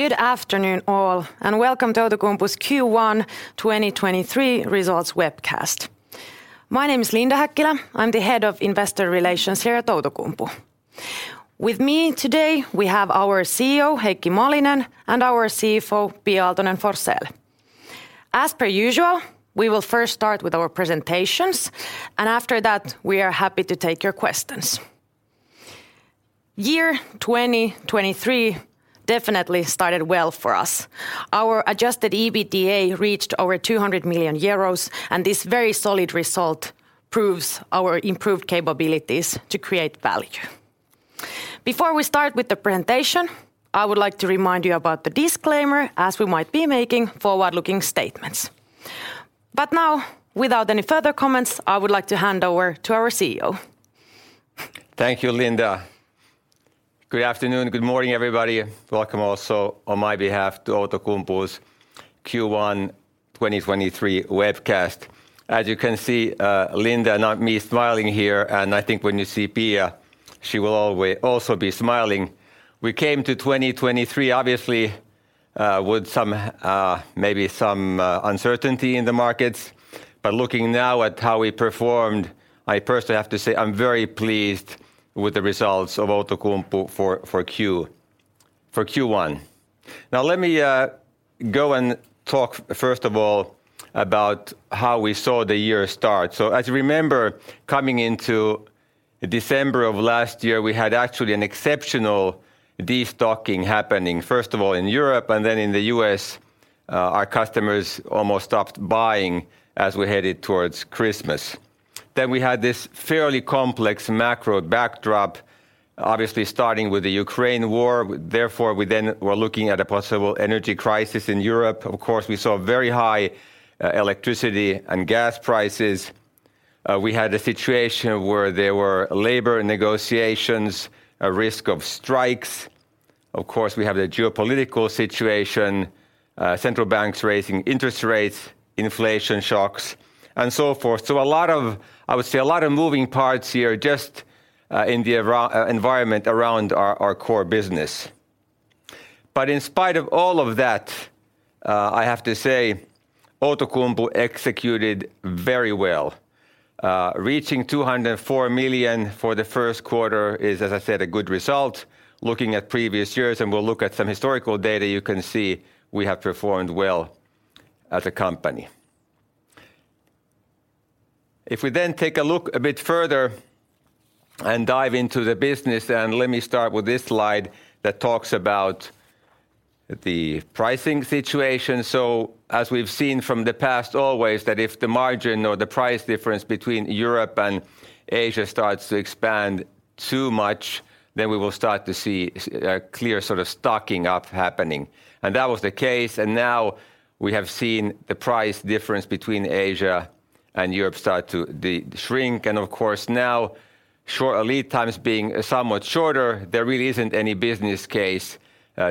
Good afternoon all, and welcome to Outokumpu's Q1 2023 results webcast. My name is Linda Häkkilä. I'm the Head of Investor Relations here at Outokumpu. With me today we have our CEO, Heikki Malinen, and our CFO, Pia Aaltonen-Forsell. As per usual, we will first start with our presentations, and after that we are happy to take your questions. Year 2023 definitely started well for us. Our adjusted EBITDA reached over 200 million euros, and this very solid result proves our improved capabilities to create value. Before we start with the presentation, I would like to remind you about the disclaimer as we might be making forward-looking statements. Now, without any further comments, I would like to hand over to our CEO. Thank you, Linda. Good afternoon, good morning, everybody. Welcome also on my behalf to Outokumpu's Q1 2023 webcast. As you can see, Linda, not me smiling here, and I think when you see Pia she will also be smiling. We came to 2023 obviously, with some maybe some uncertainty in the markets. Looking now at how we performed, I personally have to say I'm very pleased with the results of Outokumpu for Q1. Now let me go and talk first of all about how we saw the year start. As you remember, coming into December of last year, we had actually an exceptional destocking happening, first of all in Europe and then in the U.S., our customers almost stopped buying as we headed towards Christmas. We had this fairly complex macro backdrop, obviously starting with the Ukraine War, therefore we then were looking at a possible energy crisis in Europe. We saw very high electricity and gas prices. We had a situation where there were labor negotiations, a risk of strikes. We have the geopolitical situation, central banks raising interest rates, inflation shocks, and so forth. A lot of, I would say a lot of moving parts here just in the environment around our core business. In spite of all of that, I have to say Outokumpu executed very well. Reaching 204 million for the first quarter is, as I said, a good result. Looking at previous years, and we'll look at some historical data, you can see we have performed well as a company. We then take a look a bit further and dive into the business. Let me start with this slide that talks about the pricing situation. As we've seen from the past always, that if the margin or the price difference between Europe and Asia starts to expand too much, then we will start to see a clear sort of stocking up happening. That was the case, now we have seen the price difference between Asia and Europe start to shrink. Of course now short lead times being somewhat shorter, there really isn't any business case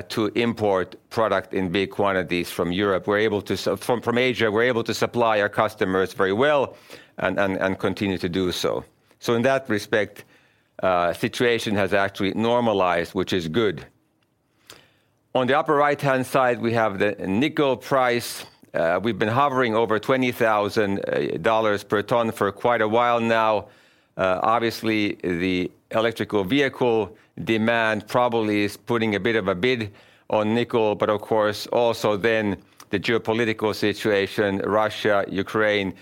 to import product in big quantities from Europe. We're able to from Asia, we're able to supply our customers very well and continue to do so. In that respect, situation has actually normalized, which is good. On the upper right-hand side, we have the nickel price. We've been hovering over $20,000 per ton for quite a while now. Obviously the electrical vehicle demand probably is putting a bit of a bid on nickel, of course also then the geopolitical situation, Russia, Ukraine,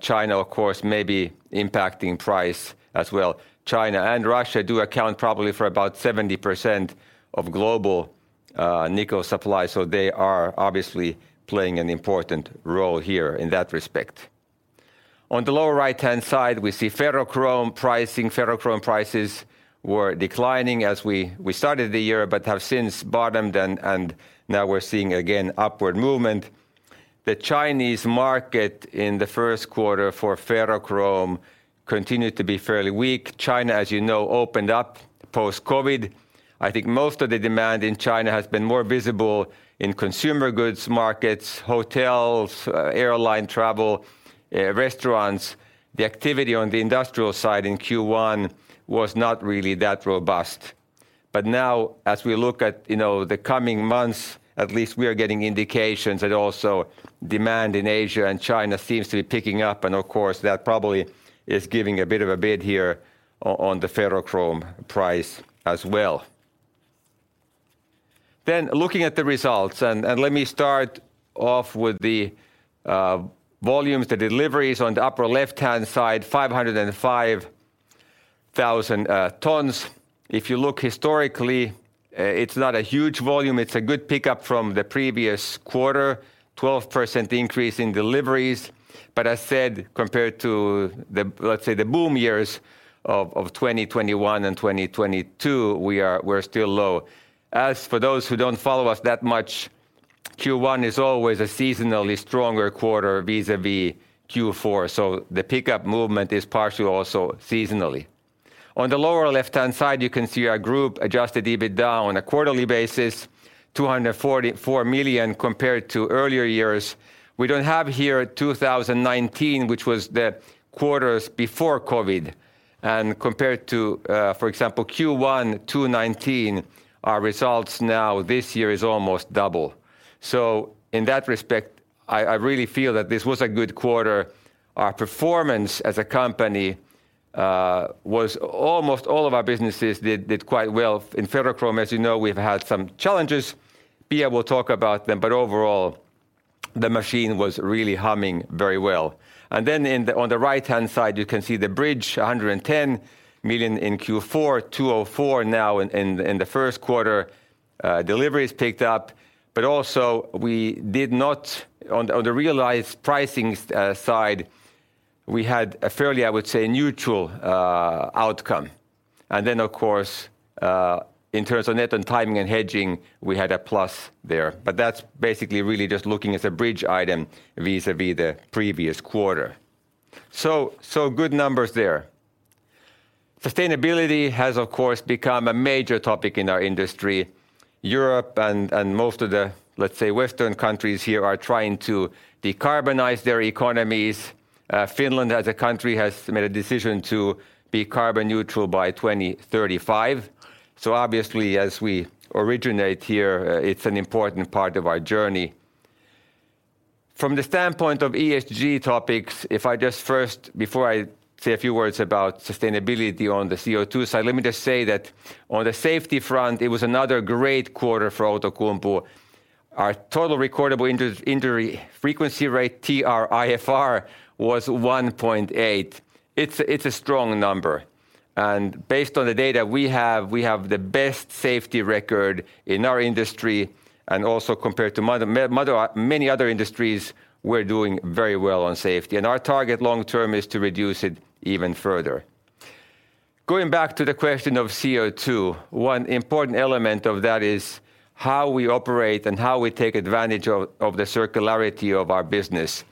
China of course may be impacting price as well. China and Russia do account probably for about 70% of global nickel supply. They are obviously playing an important role here in that respect. On the lower right-hand side, we see ferrochrome pricing. Ferrochrome prices were declining as we started the year, have since bottomed and now we're seeing again upward movement. The Chinese market in the first quarter for ferrochrome continued to be fairly weak. China, as you know, opened up post COVID. I think most of the demand in China has been more visible in consumer goods markets, hotels, airline travel, restaurants. The activity on the industrial side in Q1 was not really that robust. Now as we look at, you know, the coming months, at least we are getting indications that also demand in Asia and China seems to be picking up and of course that probably is giving a bit of a bid here on the ferrochrome price as well. Looking at the results, and let me start off with the volumes, the deliveries on the upper left-hand side, 505,000 tons. If you look historically, it's not a huge volume. It's a good pickup from the previous quarter, 12% increase in deliveries. As said, compared to the, let's say the boom years of 2021 and 2022, we're still low. As for those who don't follow us that much, Q1 is always a seasonally stronger quarter vis-à-vis Q4. The pickup movement is partially also seasonally. On the lower left-hand side, you can see our group adjusted EBITDA on a quarterly basis, 244 million compared to earlier years. We don't have here 2019, which was the quarters before COVID. Compared to, for example, Q1 2019, our results now this year is almost double. In that respect, I really feel that this was a good quarter. Our performance as a company was almost all of our businesses did quite well. In ferrochrome, as you know, we've had some challenges. Pia will talk about them. Overall, the machine was really humming very well. On the right-hand side, you can see the bridge, 110 million in Q4, 204 million in the first quarter. Deliveries picked up. Also, on the realized pricing side, we had a fairly, I would say, neutral outcome. Of course, in terms of net and timing and hedging, we had a plus there. That's basically really just looking at the bridge item vis-à-vis the previous quarter. Good numbers there. Sustainability has, of course, become a major topic in our industry. Europe and most of the, let's say, Western countries here are trying to decarbonize their economies. Finland as a country has made a decision to be carbon neutral by 2035. Obviously, as we originate here, it's an important part of our journey. From the standpoint of ESG topics, if I just first, before I say a few words about sustainability on the CO2 side, let me just say that on the safety front, it was another great quarter for Outokumpu. Our total recordable injury frequency rate, TRIFR, was 1.8. It's a strong number. Based on the data we have, we have the best safety record in our industry and also compared to many other industries, we're doing very well on safety. Our target long term is to reduce it even further. Going back to the question of CO2, one important element of that is how we operate and how we take advantage of the circularity of our business.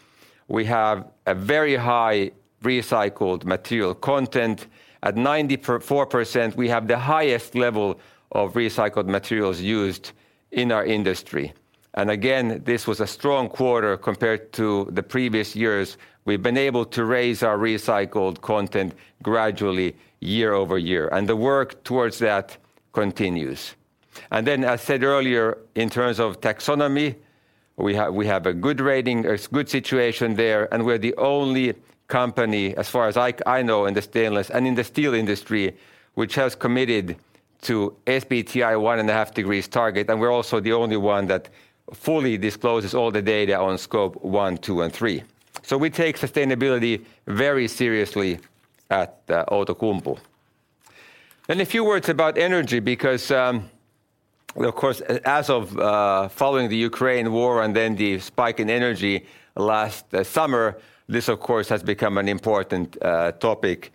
We have a very high recycled material content. At 94%, we have the highest level of recycled materials used in our industry. Again, this was a strong quarter compared to the previous years. We've been able to raise our recycled content gradually YoY, and the work towards that continues. Then, as said earlier, in terms of taxonomy, we have a good rating, a good situation there, and we're the only company, as far as I know, in the stainless and in the steel industry, which has committed to SBTi 1.5 degrees target. We're also the only one that fully discloses all the data on Scope one, two, and three. We take sustainability very seriously at Outokumpu. A few words about energy, because, of course, as of following the Ukraine War and then the spike in energy last summer, this of course has become an important topic.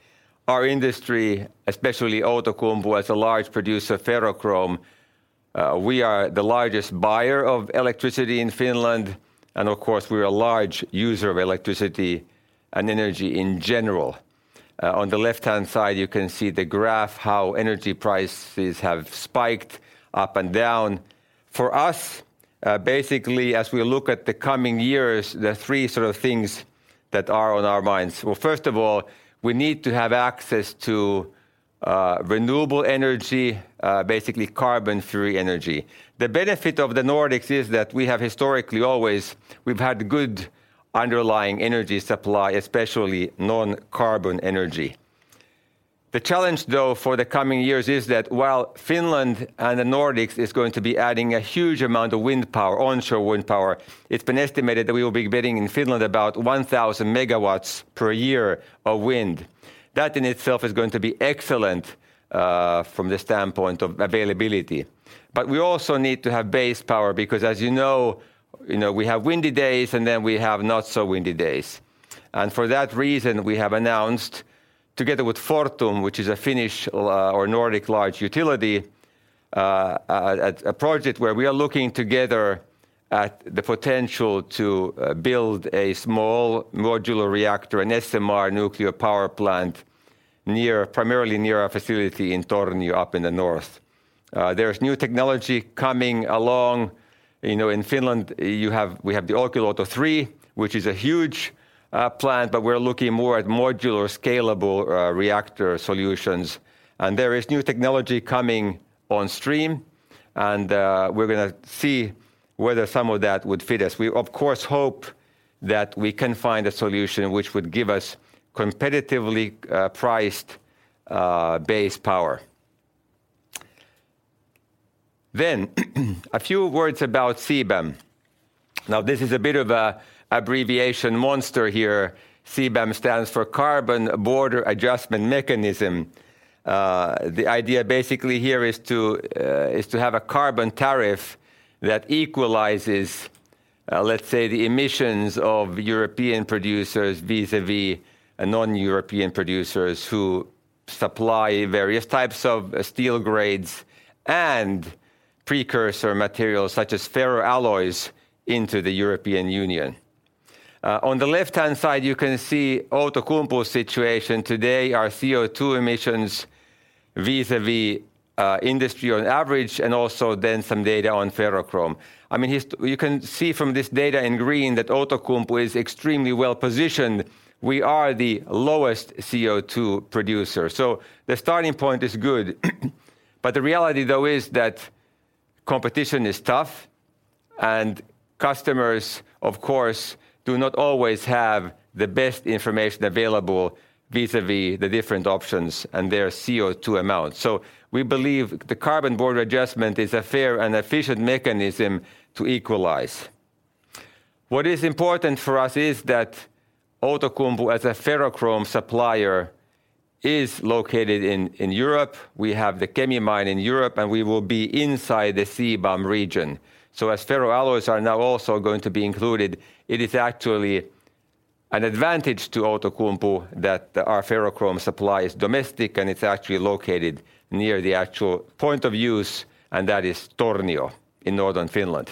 Our industry, especially Outokumpu, as a large producer of ferrochrome, we are the largest buyer of electricity in Finland, and of course, we're a large user of electricity and energy in general. On the left-hand side, you can see the graph, how energy prices have spiked up and down. For us, basically, as we look at the coming years, there are three sort of things that are on our minds. Well, first of all, we need to have access to renewable energy, basically carbon-free energy. The benefit of the Nordics is that we have historically always, we've had good underlying energy supply, especially non-carbon energy. The challenge, though, for the coming years is that while Finland and the Nordics is going to be adding a huge amount of wind power, onshore wind power, it's been estimated that we will be getting in Finland about 1,000 megawatts per year of wind. That in itself is going to be excellent from the standpoint of availability. We also need to have base power, because as you know, you know, we have windy days, and then we have not so windy days. For that reason, we have announced together with Fortum, which is a Finnish or Nordic large utility, a project where we are looking together at the potential to build a small modular reactor, an SMR nuclear power plant near, primarily near our facility in Tornio up in the north. There's new technology coming along. You know, in Finland, we have the Olkiluoto 3, which is a huge plant, but we're looking more at modular, scalable reactor solutions. There is new technology coming on stream, and we're gonna see whether some of that would fit us. We of course hope that we can find a solution which would give us competitively priced base power. A few words about CBAM. Now, this is a bit of a abbreviation monster here. CBAM stands for Carbon Border Adjustment Mechanism. The idea basically here is to have a carbon tariff that equalizes, let's say, the emissions of European producers vis-à-vis non-European producers who supply various types of steel grades and precursor materials, such as ferroalloys, into the European Union. On the left-hand side, you can see Outokumpu's situation today, our CO2 emissions vis-à-vis industry on average and also then some data on ferrochrome. I mean, we can see from this data in green that Outokumpu is extremely well-positioned. We are the lowest CO2 producer. The starting point is good. The reality though is that competition is tough and customers, of course, do not always have the best information available vis-à-vis the different options and their CO2 amounts. We believe the Carbon Border Adjustment is a fair and efficient mechanism to equalize. What is important for us is that Outokumpu, as a ferrochrome supplier, is located in Europe. We have the Kemi mine in Europe, and we will be inside the CBAM region. As ferroalloys are now also going to be included, it is actually an advantage to Outokumpu that our ferrochrome supply is domestic and it's actually located near the actual point of use, and that is Tornio in northern Finland.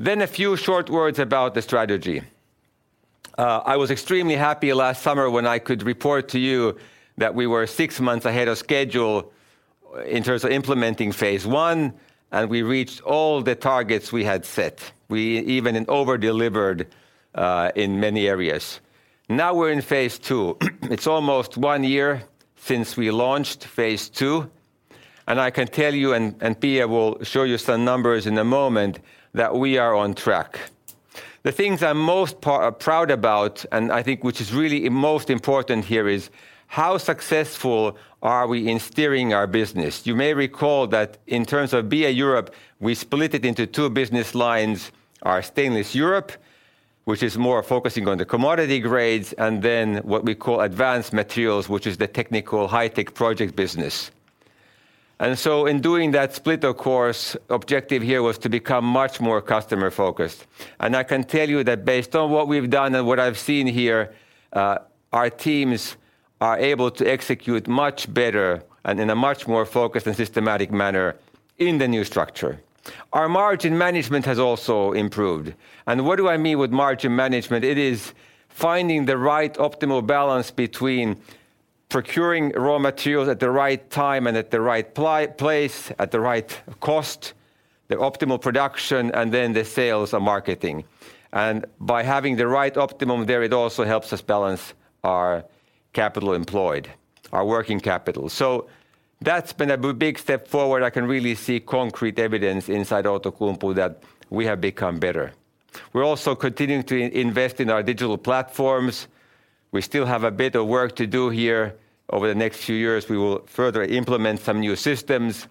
A few short words about the strategy. I was extremely happy last summer when I could report to you that we were six months ahead of schedule in terms of implementing phase I, and we reached all the targets we had set. We even over-delivered in many areas. Now we're in phase II. It's almost one year since we launched phase II, and I can tell you, and Pia will show you some numbers in a moment, that we are on track. The things I'm most proud about, and I think which is really most important here, is how successful are we in steering our business. You may recall that in terms of BA Europe, we split it into two business lines, our Stainless Europe, which is more focusing on the commodity grades, and then what we call Advanced Materials, which is the technical high-tech project business. In doing that split, of course, objective here was to become much more customer-focused. I can tell you that based on what we've done and what I've seen here, our teams are able to execute much better and in a much more focused and systematic manner in the new structure. Our margin management has also improved. What do I mean with margin management? It is finding the right optimal balance between procuring raw materials at the right time and at the right place, at the right cost, the optimal production, and the sales and marketing. By having the right optimum there, it also helps us balance our capital employed, our working capital. That's been a big step forward. I can really see concrete evidence inside Outokumpu that we have become better. We're also continuing to invest in our digital platforms. We still have a bit of work to do here. Over the next few years, we will further implement some new systems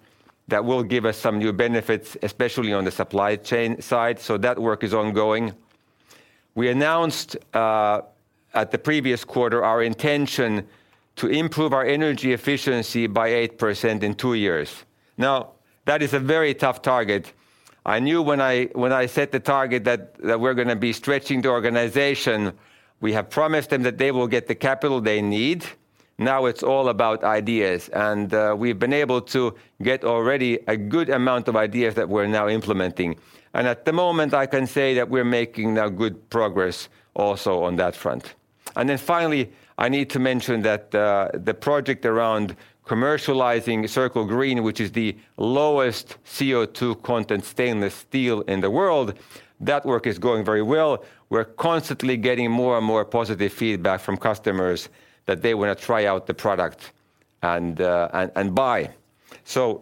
that will give us some new benefits, especially on the supply chain side. That work is ongoing. We announced at the previous quarter our intention to improve our energy efficiency by 8% in two years. That is a very tough target. I knew when I set the target that we're gonna be stretching the organization. We have promised them that they will get the capital they need. It's all about ideas, we've been able to get already a good amount of ideas that we're now implementing. At the moment, I can say that we're making now good progress also on that front. Finally, I need to mention that the project around commercializing Circle Green, which is the lowest CO2 content stainless steel in the world, that work is going very well. We're constantly getting more and more positive feedback from customers that they wanna try out the product and buy.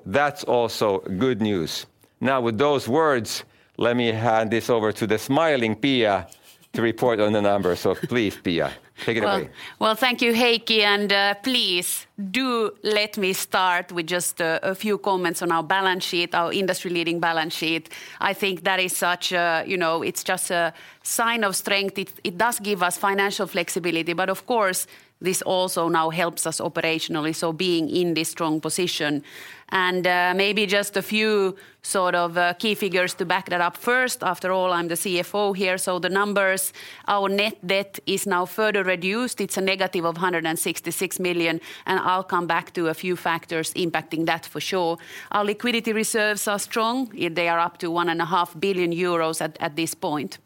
That's also good news. Now, with those words, let me hand this over to the smiling Pia to report on the numbers. Please, Pia, take it away. Well, thank you, Heikki, please do let me start with just a few comments on our balance sheet, our industry-leading balance sheet. I think that is such a, you know. It's just a sign of strength. It does give us financial flexibility. Of course, this also now helps us operationally, being in this strong position. Maybe just a few sort of key figures to back that up first. After all, I'm the CFO here. The numbers, our net debt is now further reduced. It's a negative of 166 million. I'll come back to a few factors impacting that for sure. Our liquidity reserves are strong. They are up to 1.5 billion euros at this point.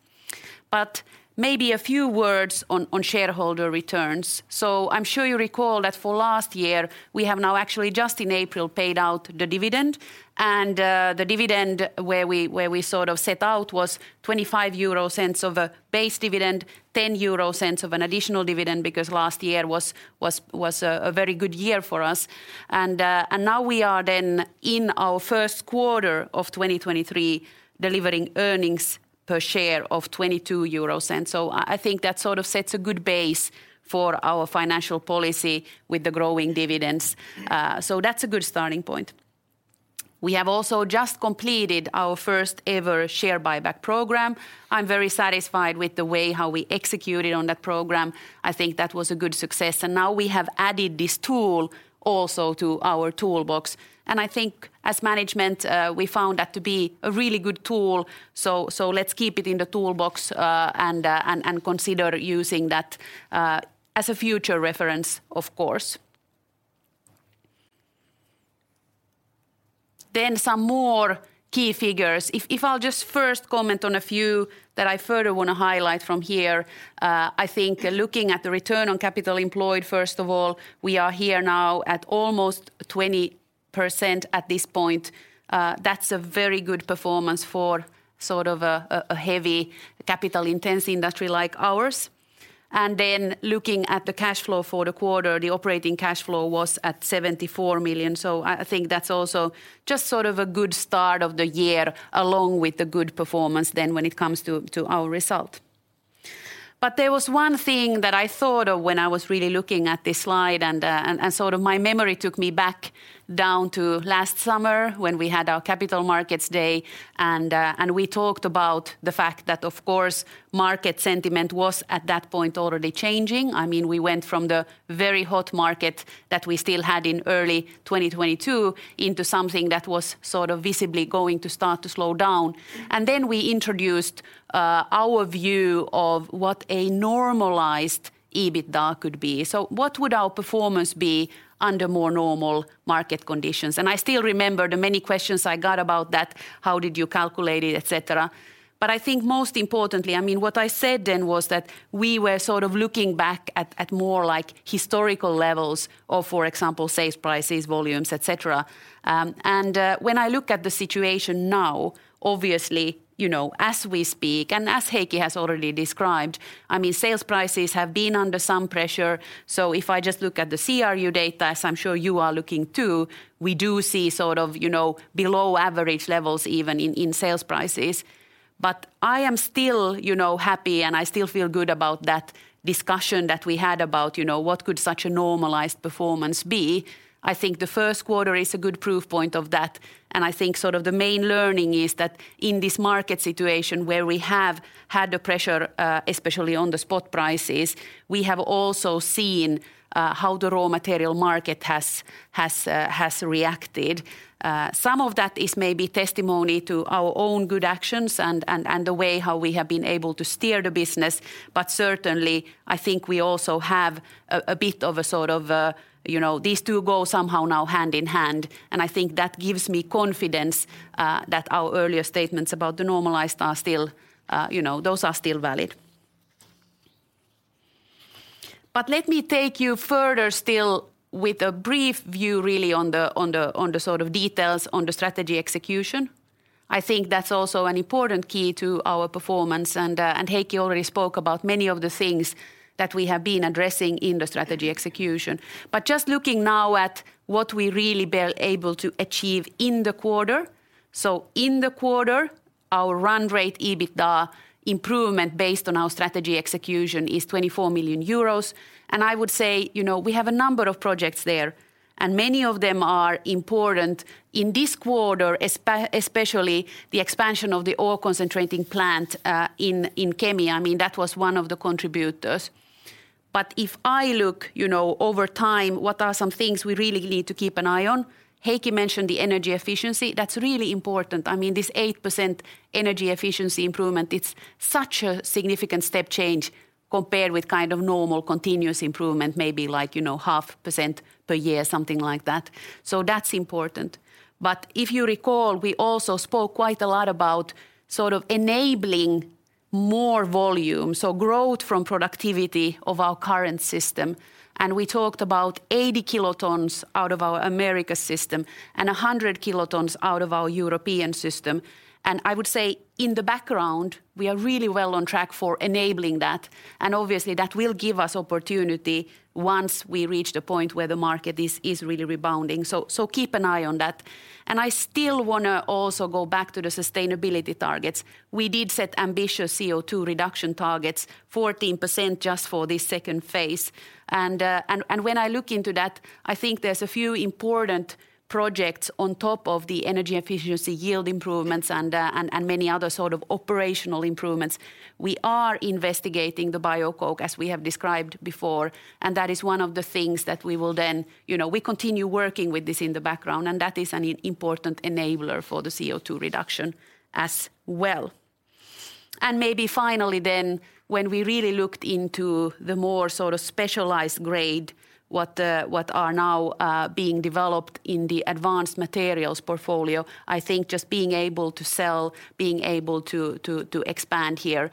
Maybe a few words on shareholder returns. I'm sure you recall that for last year, we have now actually just in April paid out the dividend, and the dividend where we sort of set out was 0.25 of a base dividend, 0.10 of an additional dividend because last year was a very good year for us. Now we are in our first quarter of 2023 delivering earnings per share of 0.22 euros. I think that sort of sets a good base for our financial policy with the growing dividends. That's a good starting point. We have also just completed our first ever share buyback program. I'm very satisfied with the way how we executed on that program. I think that was a good success. Now we have added this tool also to our toolbox. I think as management, we found that to be a really good tool, so let's keep it in the toolbox and consider using that as a future reference, of course. Some more key figures. If I'll just first comment on a few that I further wanna highlight from here, I think looking at the return on capital employed first of all, we are here now at almost 20% at this point. That's a very good performance for sort of a heavy capital intense industry like ours. Looking at the cash flow for the quarter, the operating cash flow was at 74 million. I think that's also just sort of a good start of the year along with the good performance than when it comes to our result. There was one thing that I thought of when I was really looking at this slide and sort of my memory took me back down to last summer when we had our capital markets day and we talked about the fact that of course market sentiment was at that point already changing. I mean, we went from the very hot market that we still had in early 2022 into something that was sort of visibly going to start to slow down. Then we introduced our view of what a normalized EBITDA could be. What would our performance be under more normal market conditions? I still remember the many questions I got about that, how did you calculate it, et cetera. I think most importantly, I mean, what I said then was that we were sort of looking back at more like historical levels of, for example, sales prices, volumes, et cetera. When I look at the situation now, obviously, you know, as we speak and as Heikki has already described, I mean, sales prices have been under some pressure. If I just look at the CRU data, as I'm sure you are looking too, we do see sort of, you know, below average levels even in sales prices. I am still, you know, happy and I still feel good about that discussion that we had about, you know, what could such a normalized performance be. I think the first quarter is a good proof point of that. I think sort of the main learning is that in this market situation where we have had the pressure, especially on the spot prices, we have also seen how the raw material market has reacted. Certainly, I think we also have a bit of a sort of, you know, these two go somehow now hand in hand. I think that gives me confidence that our earlier statements about the normalized are still, you know, those are still valid. Let me take you further still with a brief view really on the sort of details on the strategy execution. I think that's also an important key to our performance and Heikki already spoke about many of the things that we have been addressing in the strategy execution. Just looking now at what we really be able to achieve in the quarter. In the quarter, our run rate EBITDA improvement based on our strategy execution is 24 million euros. I would say, you know, we have a number of projects there, and many of them are important. In this quarter especially the expansion of the ore concentrating plant in Kemi, I mean, that was one of the contributors. If I look, you know, over time, what are some things we really need to keep an eye on? Heikki mentioned the energy efficiency. That's really important. I mean, this 8% energy efficiency improvement, it's such a significant step change compared with kind of normal continuous improvement, maybe like, you know, half % per year, something like that. That's important. If you recall, we also spoke quite a lot about sort of enabling more volume, so growth from productivity of our current system. We talked about 80 kilotons out of our America system and 100 kilotons out of our European system. I would say in the background, we are really well on track for enabling that. Obviously that will give us opportunity once we reach the point where the market is really rebounding. Keep an eye on that. I still wanna also go back to the sustainability targets. We did set ambitious CO2 reduction targets, 14% just for this Phase II. When I look into that, I think there's a few important projects on top of the energy efficiency yield improvements and many other sort of operational improvements. We are investigating the biocoke as we have described before, and that is one of the things that we will then. You know, we continue working with this in the background, and that is an important enabler for the CO2 reduction as well. Maybe finally then, when we really looked into the more sort of specialized grade, what are now being developed in the Advanced Materials portfolio, I think just being able to sell, being able to expand here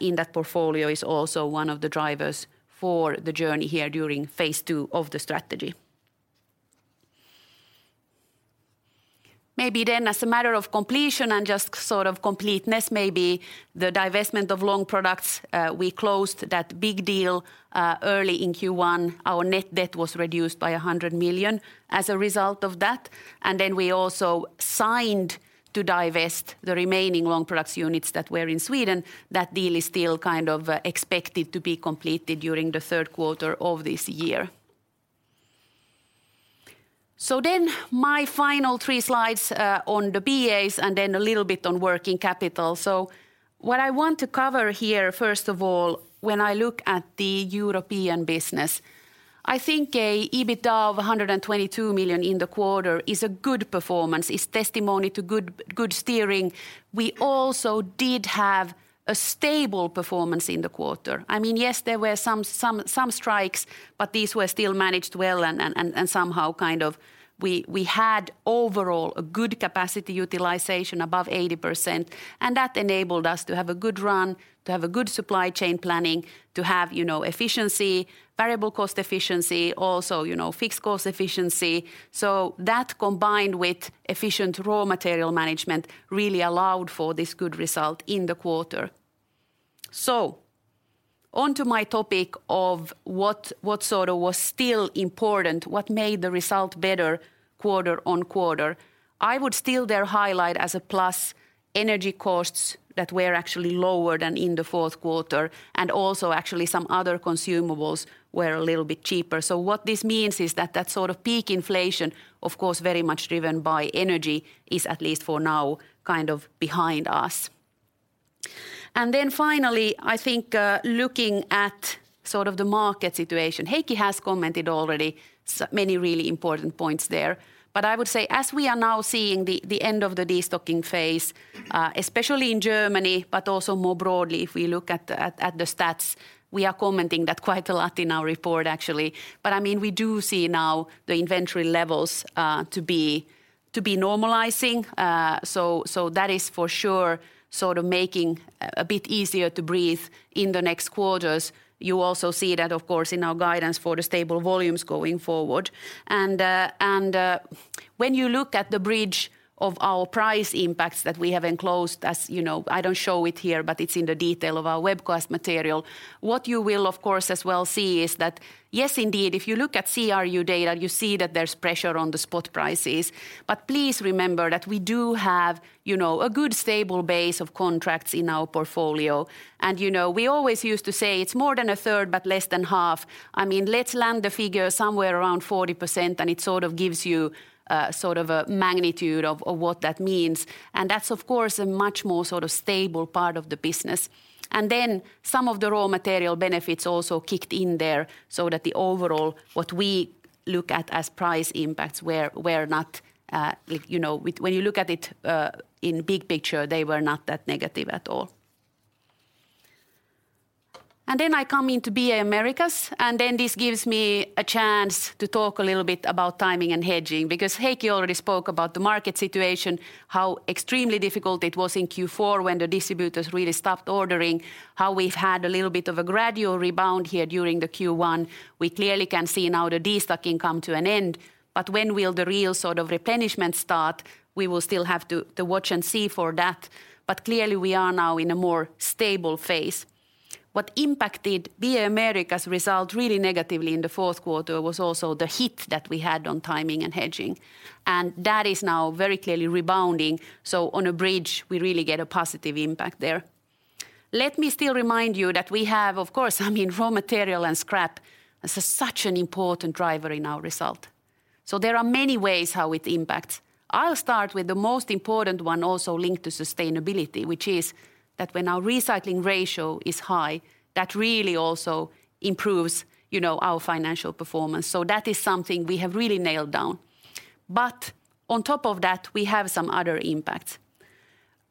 in that portfolio is also one of the drivers for the journey here during phase II of the strategy. Maybe then as a matter of completion and just sort of completeness, maybe the divestment of Long Products, we closed that big deal early in Q1. Our net debt was reduced by 100 million as a result of that. We also signed to divest the remaining Long Products units that were in Sweden. That deal is still kind of expected to be completed during the third quarter of this year. My final three slides on the BAs and then a little bit on working capital. What I want to cover here, first of all, when I look at the European business I think a EBITDA of 122 million in the quarter is a good performance. It's testimony to good steering. We also did have a stable performance in the quarter. I mean, yes, there were some strikes, but these were still managed well and somehow kind of we had overall a good capacity utilization above 80% and that enabled us to have a good run, to have a good supply chain planning, to have, you know, efficiency, variable cost efficiency, also, you know, fixed cost efficiency. That combined with efficient raw material management really allowed for this good result in the quarter. On to my topic of what sort of was still important, what made the result better QoQ. I would still there highlight as a plus energy costs that were actually lower than in the fourth quarter and also actually some other consumables were a little bit cheaper. What this means is that that sort of peak inflation, of course, very much driven by energy is at least for now, kind of behind us. Then finally, I think, looking at sort of the market situation, Heikki has commented already many really important points there. I would say as we are now seeing the end of the destocking phase, especially in Germany, but also more broadly if we look at the stats, we are commenting that quite a lot in our report actually. I mean, we do see now the inventory levels, to be normalizing. That is for sure sort of making a bit easier to breathe in the next quarters. You also see that of course in our guidance for the stable volumes going forward. When you look at the bridge of our price impacts that we have enclosed, as you know, I don't show it here, but it's in the detail of our webcast material. What you will of course as well see is that yes, indeed, if you look at CRU data, you see that there's pressure on the spot prices. Please remember that we do have, you know, a good stable base of contracts in our portfolio. You know, we always used to say it's more than a third, but less than half. I mean, let's land the figure somewhere around 40%, and it sort of gives you sort of a magnitude of what that means. That's of course a much more sort of stable part of the business. Some of the raw material benefits also kicked in there so that the overall, what we look at as price impacts were not, you know. When you look at it, in big picture, they were not that negative at all. I come into BA Americas, and then this gives me a chance to talk a little bit about timing and hedging because Heikki already spoke about the market situation, how extremely difficult it was in Q4 when the distributors really stopped ordering, how we've had a little bit of a gradual rebound here during the Q1. We clearly can see now the destocking come to an end. When will the real sort of replenishment start? We will still have to watch and see for that. Clearly we are now in a more stable phase. What impacted BA Americas’ result really negatively in the fourth quarter was also the hit that we had on timing and hedging. That is now very clearly rebounding. On a bridge, we really get a positive impact there. Let me still remind you that we have of course, I mean, raw material and scrap as such an important driver in our result. There are many ways how it impacts. I’ll start with the most important one also linked to sustainability, which is that when our recycling ratio is high, that really also improves, you know, our financial performance. That is something we have really nailed down. On top of that, we have some other impacts.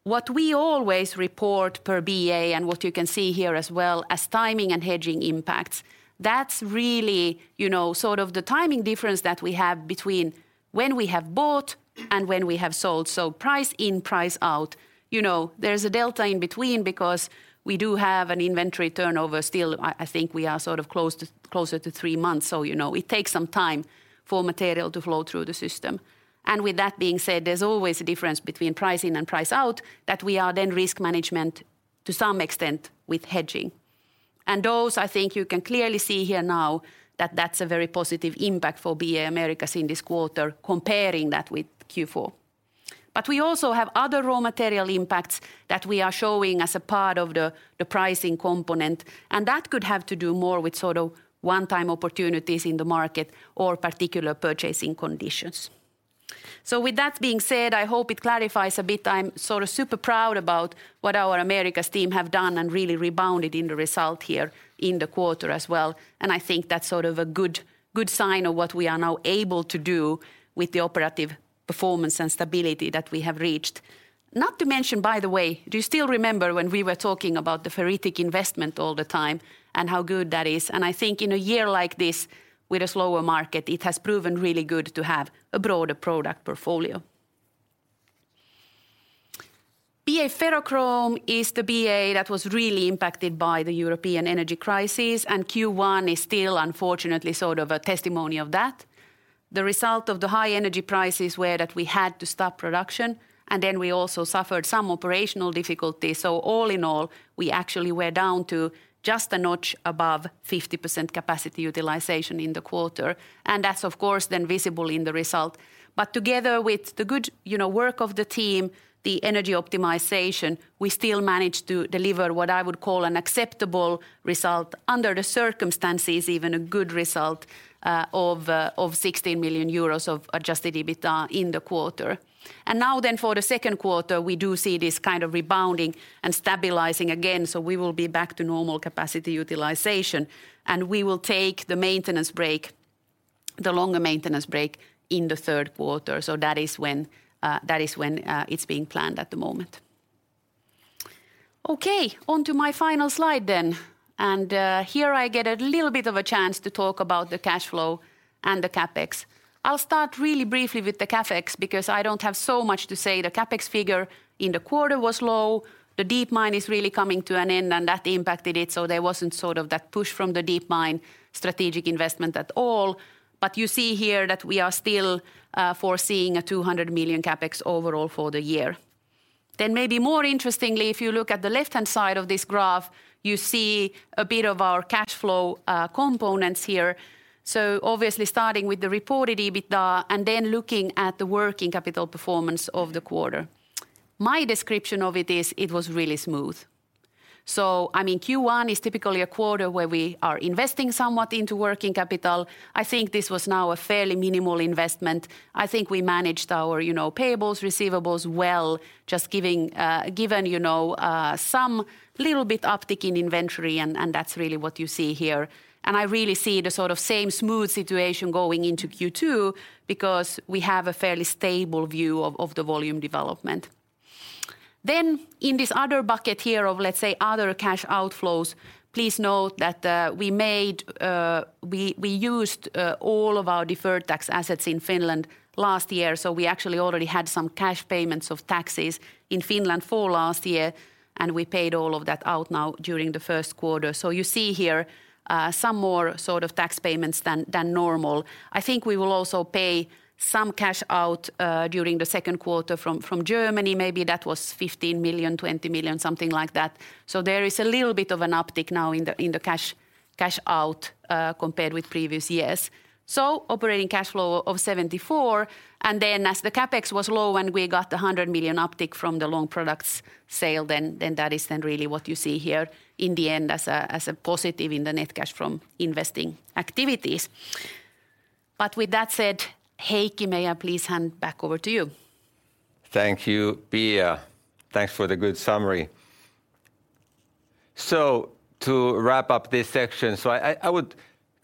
What we always report per BA and what you can see here as well as timing and hedging impacts, that's really, you know, sort of the timing difference that we have between when we have bought and when we have sold. Price in, price out, you know, there's a delta in between because we do have an inventory turnover still. I think we are sort of closer to three months. You know, it takes some time for material to flow through the system. With that being said, there's always a difference between price in and price out that we are then risk management to some extent with hedging. Those, I think you can clearly see here now that that's a very positive impact for BA Americas in this quarter comparing that with Q4. We also have other raw material impacts that we are showing as a part of the pricing component, and that could have to do more with sort of one-time opportunities in the market or particular purchasing conditions. With that being said, I hope it clarifies a bit. I'm sort of super proud about what our Americas team have done and really rebounded in the result here in the quarter as well. I think that's sort of a good sign of what we are now able to do with the operative performance and stability that we have reached. Not to mention, by the way, do you still remember when we were talking about the ferritic investment all the time and how good that is? I think in a year like this with a slower market, it has proven really good to have a broader product portfolio. BA Ferrochrome is the BA that was really impacted by the European energy crisis, and Q1 is still unfortunately sort of a testimony of that. The result of the high energy prices were that we had to stop production, and then we also suffered some operational difficulties. All in all, we actually were down to just a notch above 50% capacity utilization in the quarter, and that's of course then visible in the result. Together with the good, you know, work of the team, the energy optimization, we still managed to deliver what I would call an acceptable result under the circumstances, even a good result, of 16 million euros of adjusted EBITDA in the quarter. For the second quarter, we do see this kind of rebounding and stabilizing again. We will be back to normal capacity utilization, and we will take the longer maintenance break in the third quarter. That is when it's being planned at the moment. Okay, onto my final slide then. Here I get a little bit of a chance to talk about the cash flow and the CapEx. I'll start really briefly with the CapEx because I don't have so much to say. The CapEx figure in the quarter was low. The Deep Mine is really coming to an end, and that impacted it, there wasn't sort of that push from the Deep Mine strategic investment at all. You see here that we are still foreseeing a 200 million CapEx overall for the year. Maybe more interestingly, if you look at the left-hand side of this graph, you see a bit of our cash flow components here. Obviously starting with the reported EBITDA and then looking at the working capital performance of the quarter. My description of it is, it was really smooth. I mean, Q1 is typically a quarter where we are investing somewhat into working capital. I think this was now a fairly minimal investment. I think we managed our, you know, payables, receivables well, just given, you know, some little bit uptick in inventory and that's really what you see here. I really see the sort of same smooth situation going into Q2 because we have a fairly stable view of the volume development. In this other bucket here of, let's say, other cash outflows, please note that we made, we used all of our deferred tax assets in Finland last year, so we actually already had some cash payments of taxes in Finland for last year, and we paid all of that out now during the first quarter. You see here some more sort of tax payments than normal. I think we will also pay some cash out during the second quarter from Germany, maybe that was 15 million, 20 million, something like that. There is a little bit of an uptick now in the cash out compared with previous years. Operating cash flow of 74, and then as the CapEx was low and we got the 100 million uptick from the Long Products sale, then that is then really what you see here in the end as a positive in the net cash from investing activities. With that said, Heikki, may I please hand back over to you. Thank you, Pia. Thanks for the good summary. To wrap up this section, I would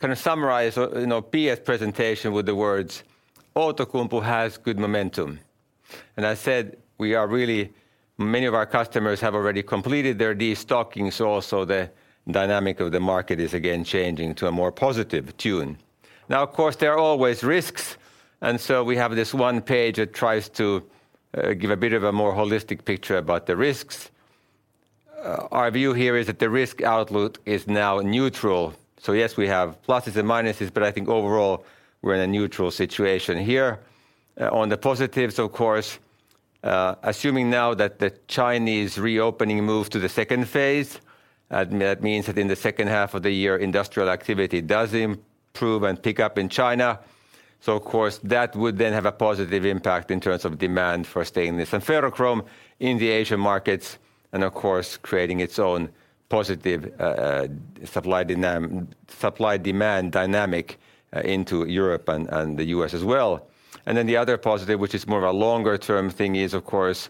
kind of summarize, you know, Pia's presentation with the words Outokumpu has good momentum. I said we are many of our customers have already completed their destocking, the dynamic of the market is again changing to a more positive tune. Now, of course, there are always risks, we have this one page that tries to give a bit of a more holistic picture about the risks. Our view here is that the risk outlook is now neutral. Yes, we have pluses and minuses, but I think overall we're in a neutral situation here. On the positives, of course, assuming now that the Chinese reopening moves to the Phase II, that means that in the second half of the year, industrial activity does improve and pick up in China. Of course, that would then have a positive impact in terms of demand for stainless and ferrochrome in the Asian markets, and of course, creating its own positive supply-demand dynamic into Europe and the U.S. as well. The other positive, which is more of a longer-term thing, is of course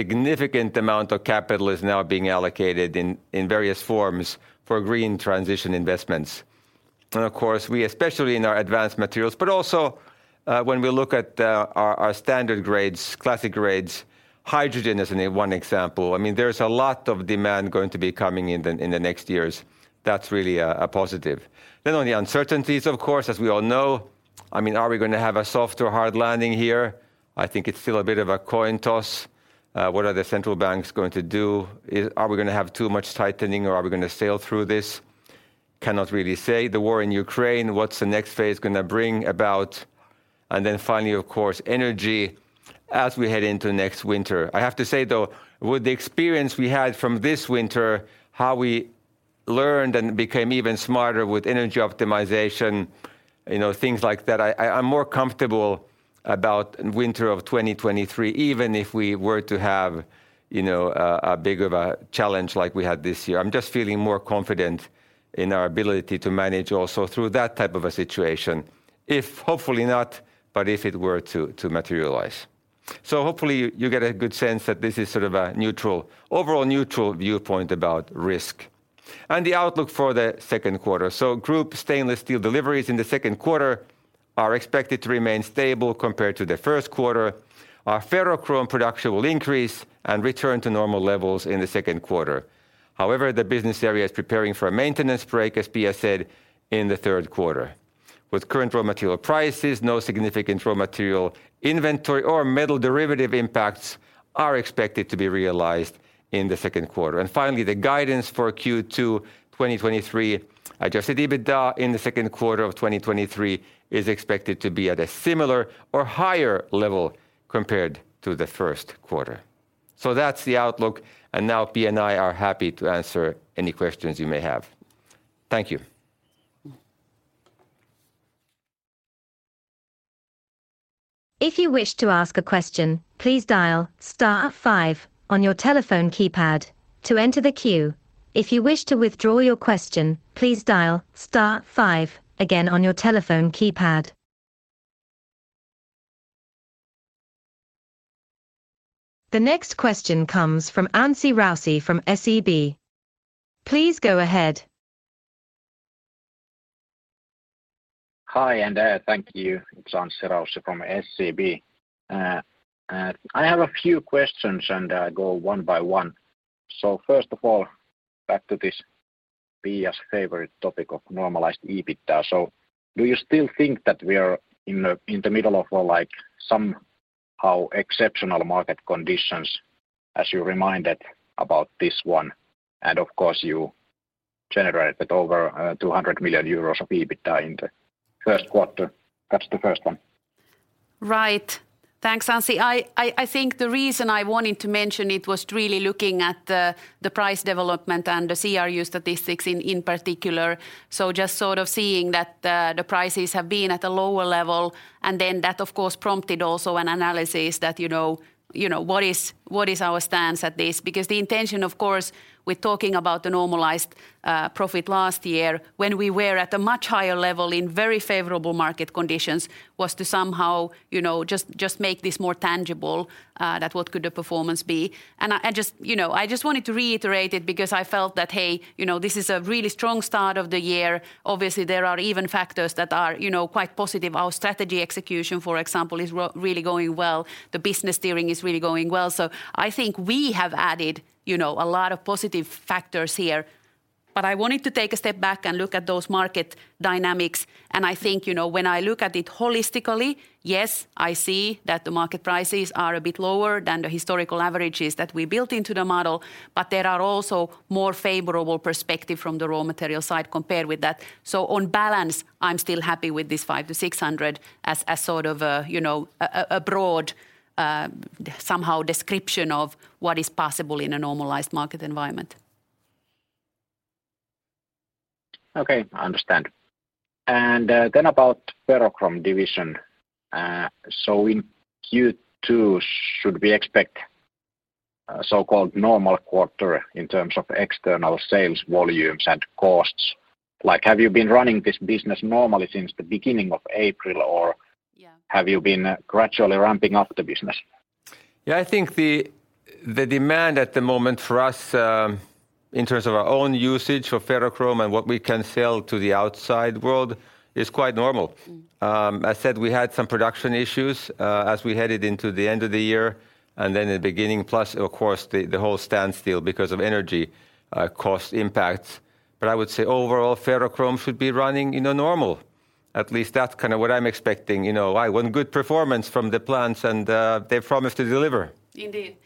significant amount of capital is now being allocated in various forms for green transition investments. Of course, we especially in our Advanced Materials, but also when we look at our standard grades, classic grades, hydrogen is one example. I mean, there's a lot of demand going to be coming in the, in the next years. That's really a positive. On the uncertainties, of course, as we all know, I mean, are we gonna have a soft or hard landing here? I think it's still a bit of a coin toss. What are the central banks going to do? Are we gonna have too much tightening or are we gonna sail through this? Cannot really say. The war in Ukraine, what's the next phase gonna bring about? Finally, of course, energy as we head into next winter. I have to say, though, with the experience we had from this winter, how we learned and became even smarter with energy optimization, you know, things like that, I'm more comfortable about winter of 2023, even if we were to have, you know, a big of a challenge like we had this year. I'm just feeling more confident in our ability to manage also through that type of a situation if, hopefully not, but if it were to materialize. Hopefully you get a good sense that this is sort of a neutral, overall neutral viewpoint about risk. The outlook for the second quarter. Group stainless steel deliveries in the second quarter are expected to remain stable compared to the first quarter. Our ferrochrome production will increase and return to normal levels in the second quarter. However, the business area is preparing for a maintenance break, as Pia said, in the third quarter. With current raw material prices, no significant raw material inventory or metal derivative impacts are expected to be realized in the second quarter. Finally, the guidance for Q2 2023, adjusted EBITDA in the second quarter of 2023 is expected to be at a similar or higher level compared to the first quarter. That's the outlook. Now Pia and I are happy to answer any questions you may have. Thank you. If you wish to ask a question, please dial star five on your telephone keypad to enter the queue. If you wish to withdraw your question, please dial star five again on your telephone keypad. The next question comes from Anssi Raussi from SEB. Please go ahead. Hi, thank you. It's Anssi Raussi from SEB. I have a few questions, go one by one. First of all, back to this Pia's favorite topic of normalized EBITDA. Do you still think that we are in the middle of a, like, somehow exceptional market conditions as you reminded about this one? Of course, you generated over 200 million euros of EBITDA in the first quarter. That's the first one. Right. Thanks, Anssi. I think the reason I wanted to mention it was really looking at the price development and the CRU statistics in particular. Just sort of seeing that the prices have been at a lower level, that, of course, prompted also an analysis that, you know, what is our stance at this? The intention, of course, with talking about the normalized profit last year when we were at a much higher level in very favorable market conditions was to somehow, you know, just make this more tangible that what could the performance be. I just, you know, I just wanted to reiterate it because I felt that, hey, you know, this is a really strong start of the year. Obviously, there are even factors that are, you know, quite positive. Our strategy execution, for example, is really going well. The business steering is really going well. I think we have added, you know, a lot of positive factors here. I wanted to take a step back and look at those market dynamics, and I think, you know, when I look at it holistically, yes, I see that the market prices are a bit lower than the historical averages that we built into the model, but there are also more favorable perspective from the raw material side compared with that. On balance, I'm still happy with this five to six hundred as sort of a, you know, a broad, somehow description of what is possible in a normalized market environment. Okay, understand. About ferrochrome division. In Q2 should we expect a so-called normal quarter in terms of external sales volumes and costs? Have you been running this business normally since the beginning of April? Yeah have you been gradually ramping up the business? I think the demand at the moment for us, in terms of our own usage for ferrochrome and what we can sell to the outside world is quite normal. I said we had some production issues as we headed into the end of the year, and then in the beginning plus, of course, the whole standstill because of energy cost impacts. I would say overall ferrochrome should be running, you know, normal. At least that's kind of what I'm expecting, you know. I want good performance from the plants and they promised to deliver. Indeed.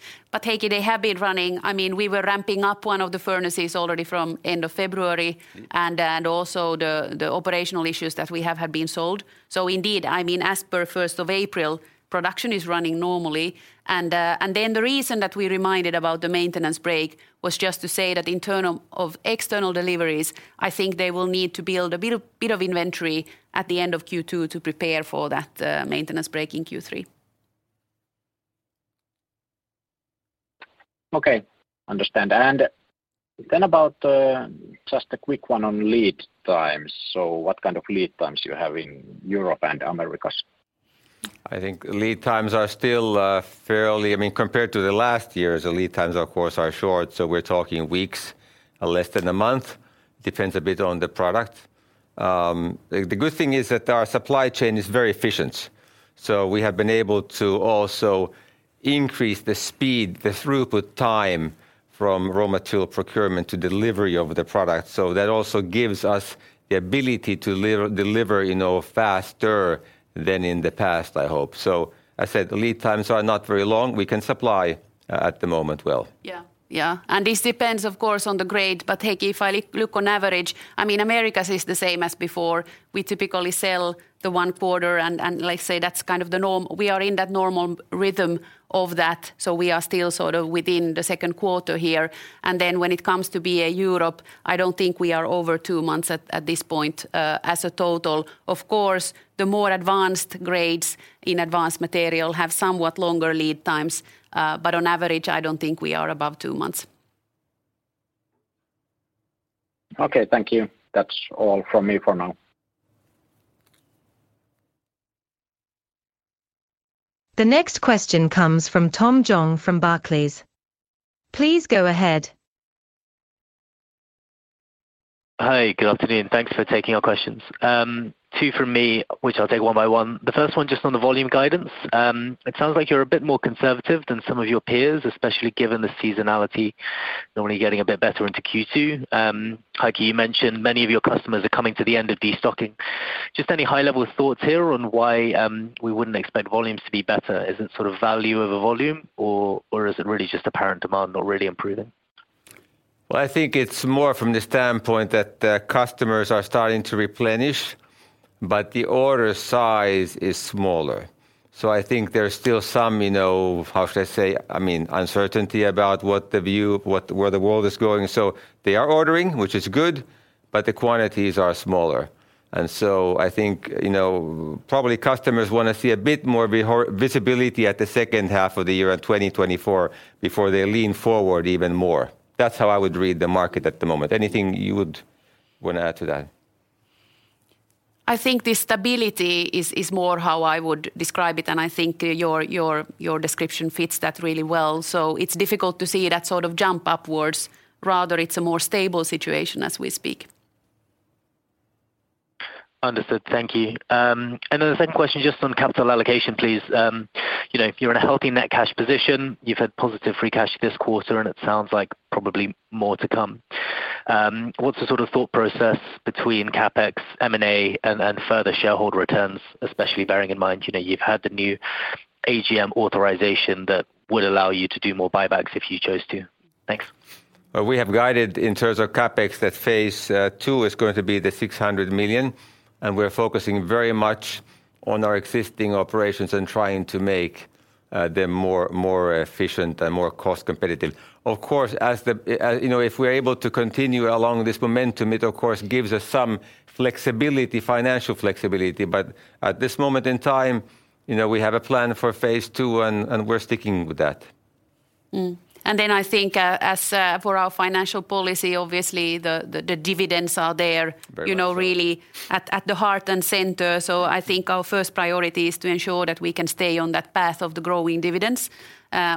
Heikki, they have been running... I mean, we were ramping up one of the furnaces already from end of February. Mm-hmm. Also the operational issues that we have been solved. Indeed, I mean, as per April 1st, production is running normally. The reason that we reminded about the maintenance break was just to say that in term of external deliveries, I think they will need to build a bit of inventory at the end of Q2 to prepare for that maintenance break in Q3. Okay. Understand. About just a quick one on lead times. What kind of lead times do you have in Europe and Americas? I think lead times are still, I mean, compared to the last years, the lead times of course are short. We're talking weeks, less than a month. Depends a bit on the product. The good thing is that our supply chain is very efficient, so we have been able to also increase the speed, the throughput time from raw material procurement to delivery of the product. That also gives us the ability to deliver, you know, faster than in the past I hope. As said, lead times are not very long. We can supply at the moment well. yeah. This depends, of course, on the grade. Heikki, if I look on average, I mean, Americas is the same as before. We typically sell the one quarter and let's say that's kind of the norm. We are in that normal rhythm of that, so we are still sort of within the second quarter here. When it comes to BA Europe, I don't think we are over two months at this point as a total. Of course, the more advanced grades in Advanced Materials have somewhat longer lead times, but on average, I don't think we are above two two months. Okay, thank you. That's all from me for now. The next question comes from Tom Zhang from Barclays. Please go ahead. Hi. Good afternoon. Thanks for taking our questions. Two from me, which I'll take one by one. The first one just on the volume guidance. It sounds like you're a bit more conservative than some of your peers, especially given the seasonality normally getting a bit better into Q2. Heikki, you mentioned many of your customers are coming to the end of destocking. Just any high-level thoughts here on why we wouldn't expect volumes to be better. Is it sort of value over volume or is it really just apparent demand not really improving? Well, I think it's more from the standpoint that the customers are starting to replenish, but the order size is smaller. I think there's still some, you know, how should I say, I mean, uncertainty about where the world is going. They are ordering, which is good, but the quantities are smaller. I think, you know, probably customers wanna see a bit more visibility at the second half of the year in 2024 before they lean forward even more. That's how I would read the market at the moment. Anything you would wanna add to that? I think the stability is more how I would describe it, and I think your description fits that really well. It's difficult to see that sort of jump upwards. Rather, it's a more stable situation as we speak. Understood. Thank you. The second question just on capital allocation, please. You know, if you're in a healthy net cash position, you've had positive free cash this quarter, and it sounds like probably more to come. What's the sort of thought process between CapEx, M&A and further shareholder returns, especially bearing in mind, you know, you've had the new AGM authorization that would allow you to do more buybacks if you chose to? Thanks. Well, we have guided in terms of CapEx that phase II is going to be the 600 million, and we're focusing very much on our existing operations and trying to make them more efficient and more cost competitive. You know, if we're able to continue along this momentum, it of course gives us some flexibility, financial flexibility. At this moment in time, you know, we have a plan for phase II and we're sticking with that. Then I think, as for our financial policy, obviously the dividends are there-. Very much so.... you know, really at the heart and center. I think our first priority is to ensure that we can stay on that path of the growing dividends.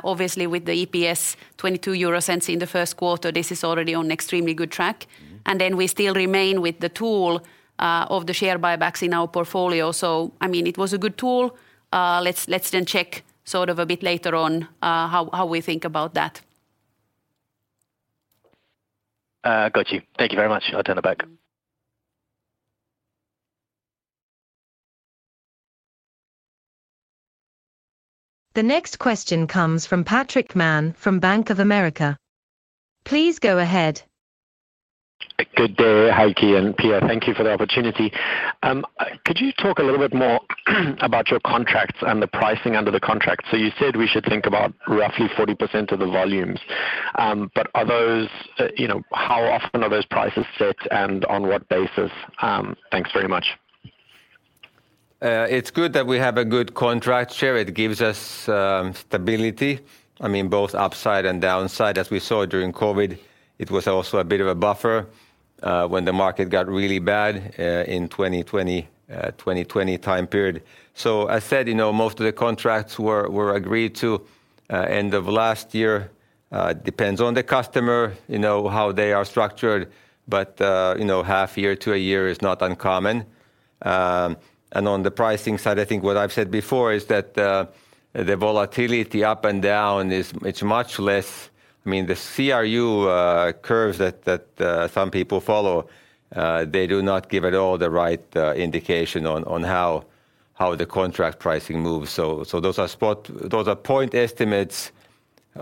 Obviously with the EPS 0.22 in the first quarter, this is already on extremely good track. Mm-hmm. We still remain with the tool of the share buybacks in our portfolio. I mean, it was a good tool. Let's then check sort of a bit later on how we think about that. Got you. Thank you very much. I'll turn it back. The next question comes from Patrick Mann from Bank of America. Please go ahead. Good day, Heikki and Pia. Thank you for the opportunity. Could you talk a little bit more about your contracts and the pricing under the contract? You said we should think about roughly 40% of the volumes. You know, how often are those prices set and on what basis? Thanks very much. It's good that we have a good contract share. It gives us stability, I mean, both upside and downside. As we saw during COVID, it was also a bit of a buffer when the market got really bad in 2020 time period. As said, you know, most of the contracts were agreed to end of last year. Depends on the customer, you know, how they are structured, but, you know, half year to a year is not uncommon. And on the pricing side, I think what I've said before is that the volatility up and down it's much less... I mean, the CRU curves that some people follow, they do not give at all the right indication on how the contract pricing moves. Those are spot... Those are point estimates.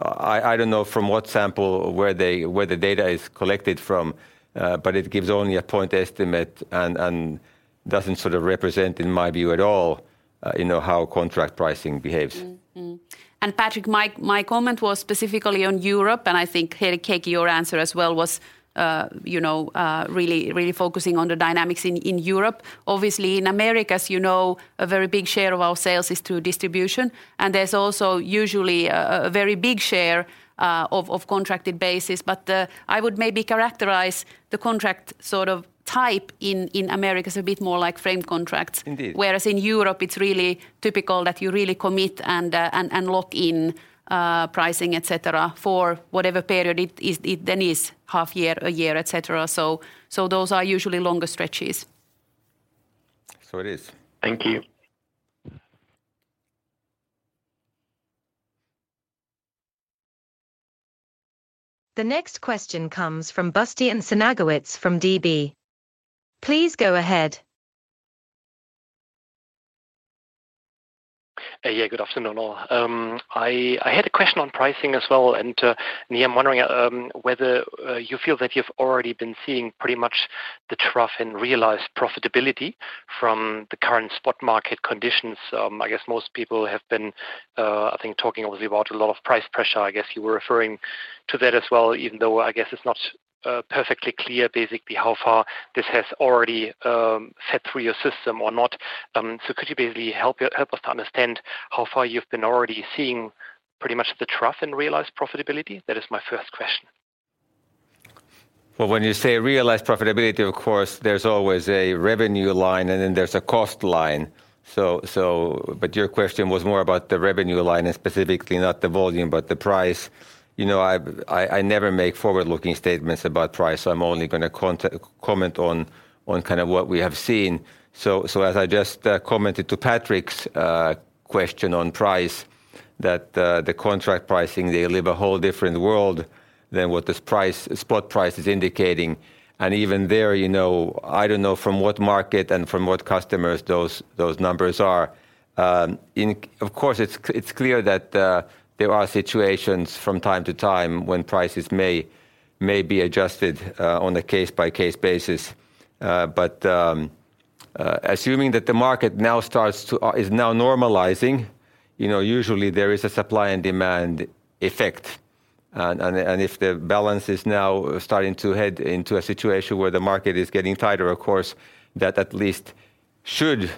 I don't know from what sample where the data is collected from, but it gives only a point estimate and doesn't sort of represent, in my view, at all, you know, how contract pricing behaves. Patrick, my comment was specifically on Europe, and I think, Heikki, your answer as well was, you know, really focusing on the dynamics in Europe. Obviously in Americas, you know, a very big share of our sales is through distribution, there's also usually a very big share of contracted basis. I would maybe characterize the contract sort of type in Americas a bit more like frame contracts. Indeed. Whereas in Europe, it's really typical that you really commit and lock in pricing, et cetera, for whatever period it then is half year, a year, et cetera. Those are usually longer stretches. It is. Thank you. The next question comes from Bastian Synagowitz from DB. Please go ahead. Yeah, good afternoon, all. I had a question on pricing as well. I'm wondering whether you feel that you've already been seeing pretty much the trough in realized profitability from the current spot market conditions. I guess most people have been I think talking obviously about a lot of price pressure. I guess you were referring to that as well, even though I guess it's not perfectly clear basically how far this has already fed through your system or not. Could you basically help us to understand how far you've been already seeing pretty much the trough in realized profitability? That is my first question. Well, when you say realized profitability, of course there's always a revenue line, and then there's a cost line. So your question was more about the revenue line and specifically not the volume, but the price. You know, I never make forward-looking statements about price, I'm only gonna comment on kind of what we have seen. So as I just commented to Patrick's question on price, that the contract pricing, they live a whole different world than what this price, spot price is indicating. Even there, you know, I don't know from what market and from what customers those numbers are. Of course, it's clear that there are situations from time to time when prices may be adjusted on a case-by-case basis. Assuming that the market now is now normalizing, you know, usually there is a supply and demand effect. If the balance is now starting to head into a situation where the market is getting tighter, of course that at least should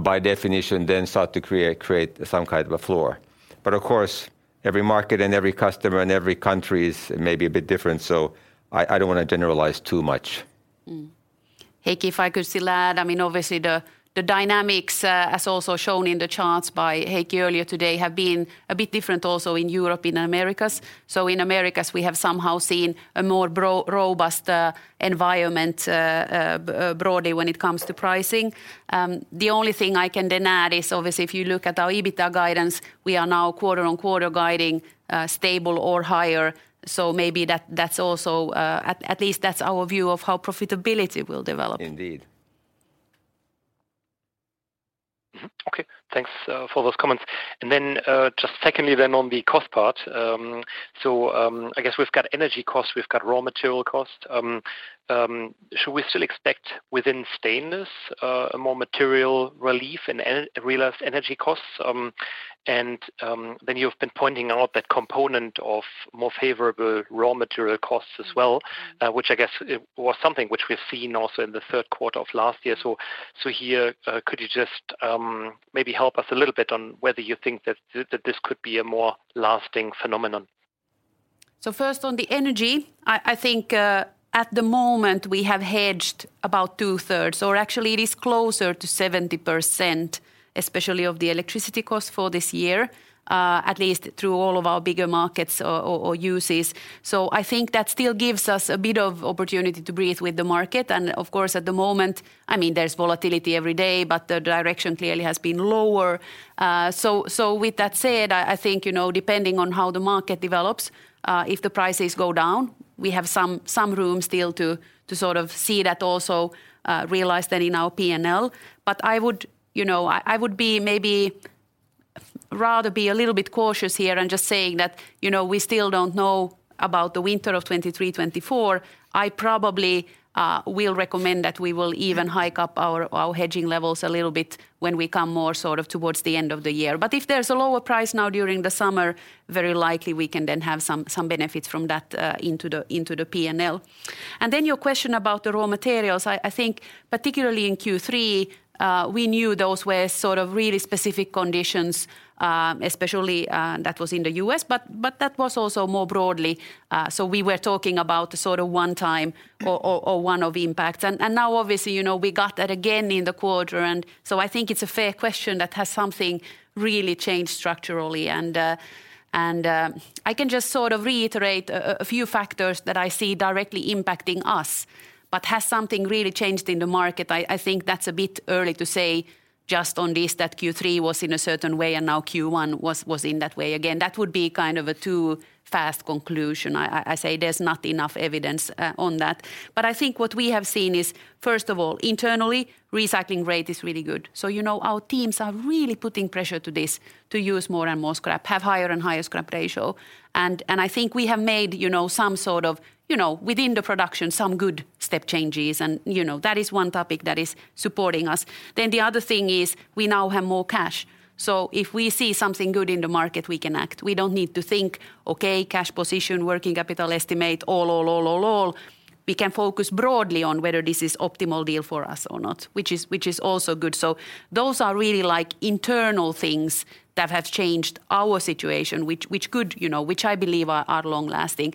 by definition then start to create some kind of a floor. Of course, every market and every customer and every country is maybe a bit different, so I don't wanna generalize too much. Heikki, if I could still add, I mean, obviously the dynamics, as also shown in the charts by Heikki earlier today have been a bit different also in Europe, in Americas. In Americas we have somehow seen a more robust environment broadly when it comes to pricing. The only thing I can then add is obviously if you look at our EBITDA guidance, we are now QoQ guiding stable or higher. Maybe that's also at least that's our view of how profitability will develop. Indeed. Okay. Thanks for those comments. Just secondly then on the cost part, I guess we've got energy costs, we've got raw material costs. Should we still expect within stainless a more material relief and realized energy costs? You've been pointing out that component of more favorable raw material costs as well. Mm-hmm... which I guess it was something which we've seen also in the 3rd quarter of last year. Here, could you just, maybe help us a little bit on whether you think that this could be a more lasting phenomenon? First on the energy, I think, at the moment we have hedged about two-thirds, or actually it is closer to 70%, especially of the electricity cost for this year, at least through all of our bigger markets or uses. I think that still gives us a bit of opportunity to breathe with the market. Of course, at the moment, I mean, there's volatility every day, but the direction clearly has been lower. With that said, I think, you know, depending on how the market develops, if the prices go down, we have some room still to sort of see that also realized then in our P&L. I would, you know, I would be maybe rather be a little bit cautious here in just saying that, you know, we still don't know about the winter of 2023, 2024. I probably will recommend that we will even hike up our hedging levels a little bit when we come more sort of towards the end of the year. If there's a lower price now during the summer, very likely we can then have some benefits from that into the P&L. Your question about the raw materials. I think particularly in Q3, we knew those were sort of really specific conditions, especially that was in the U.S., but that was also more broadly. We were talking about the sort of one-time or one-off impact. Now obviously, you know, we got that again in the quarter. I think it's a fair question that has something really changed structurally. I can just sort of reiterate a few factors that I see directly impacting us, but has something really changed in the market? I think that's a bit early to say just on this, that Q3 was in a certain way and now Q1 was in that way. Again, that would be kind of a too fast conclusion. I say there's not enough evidence on that. I think what we have seen is, first of all, internally recycling rate is really good. You know, our teams are really putting pressure to this to use more and more scrap, have higher and higher scrap ratio. I think we have made, you know, some sort of, you know, within the production, some good step changes and, you know, that is one topic that is supporting us. The other thing is we now have more cash. If we see something good in the market, we can act. We don't need to think, okay, cash position, working capital estimate, all. We can focus broadly on whether this is optimal deal for us or not, which is also good. Those are really like internal things that have changed our situation, which could, you know, which I believe are long lasting.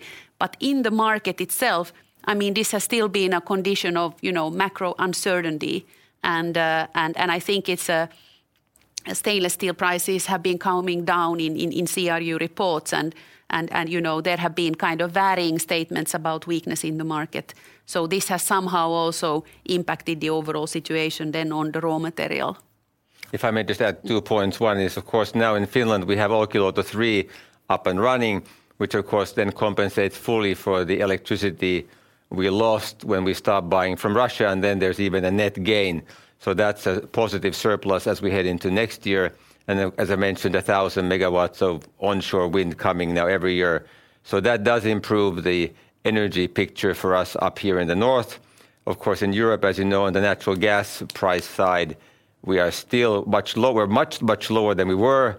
In the market itself, I mean, this has still been a condition of, you know, macro uncertainty and I think it's stainless steel prices have been calming down in CRU reports and you know, there have been kind of varying statements about weakness in the market. This has somehow also impacted the overall situation then on the raw material. If I may just add two points. One is of course now in Finland we have Olkiluoto 3 up and running, which of course then compensates fully for the electricity we lost when we stopped buying from Russia, and then there's even a net gain. That's a positive surplus as we head into next year. As I mentioned, 1,000 megawatts of onshore wind coming now every year. That does improve the energy picture for us up here in the north. Of course, in Europe, as you know, on the natural gas price side, we are still much lower than we were.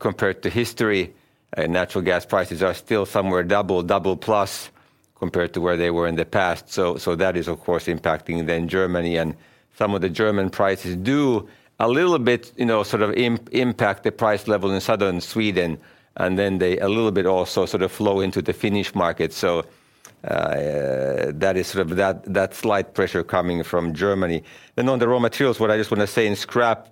Compared to history, natural gas prices are still somewhere double plus compared to where they were in the past. That is of course impacting then Germany and some of the German prices do a little bit, you know, sort of impact the price level in southern Sweden, and then they a little bit also sort of flow into the Finnish market. That is sort of that slight pressure coming from Germany. On the raw materials, what I just wanna say in scrap,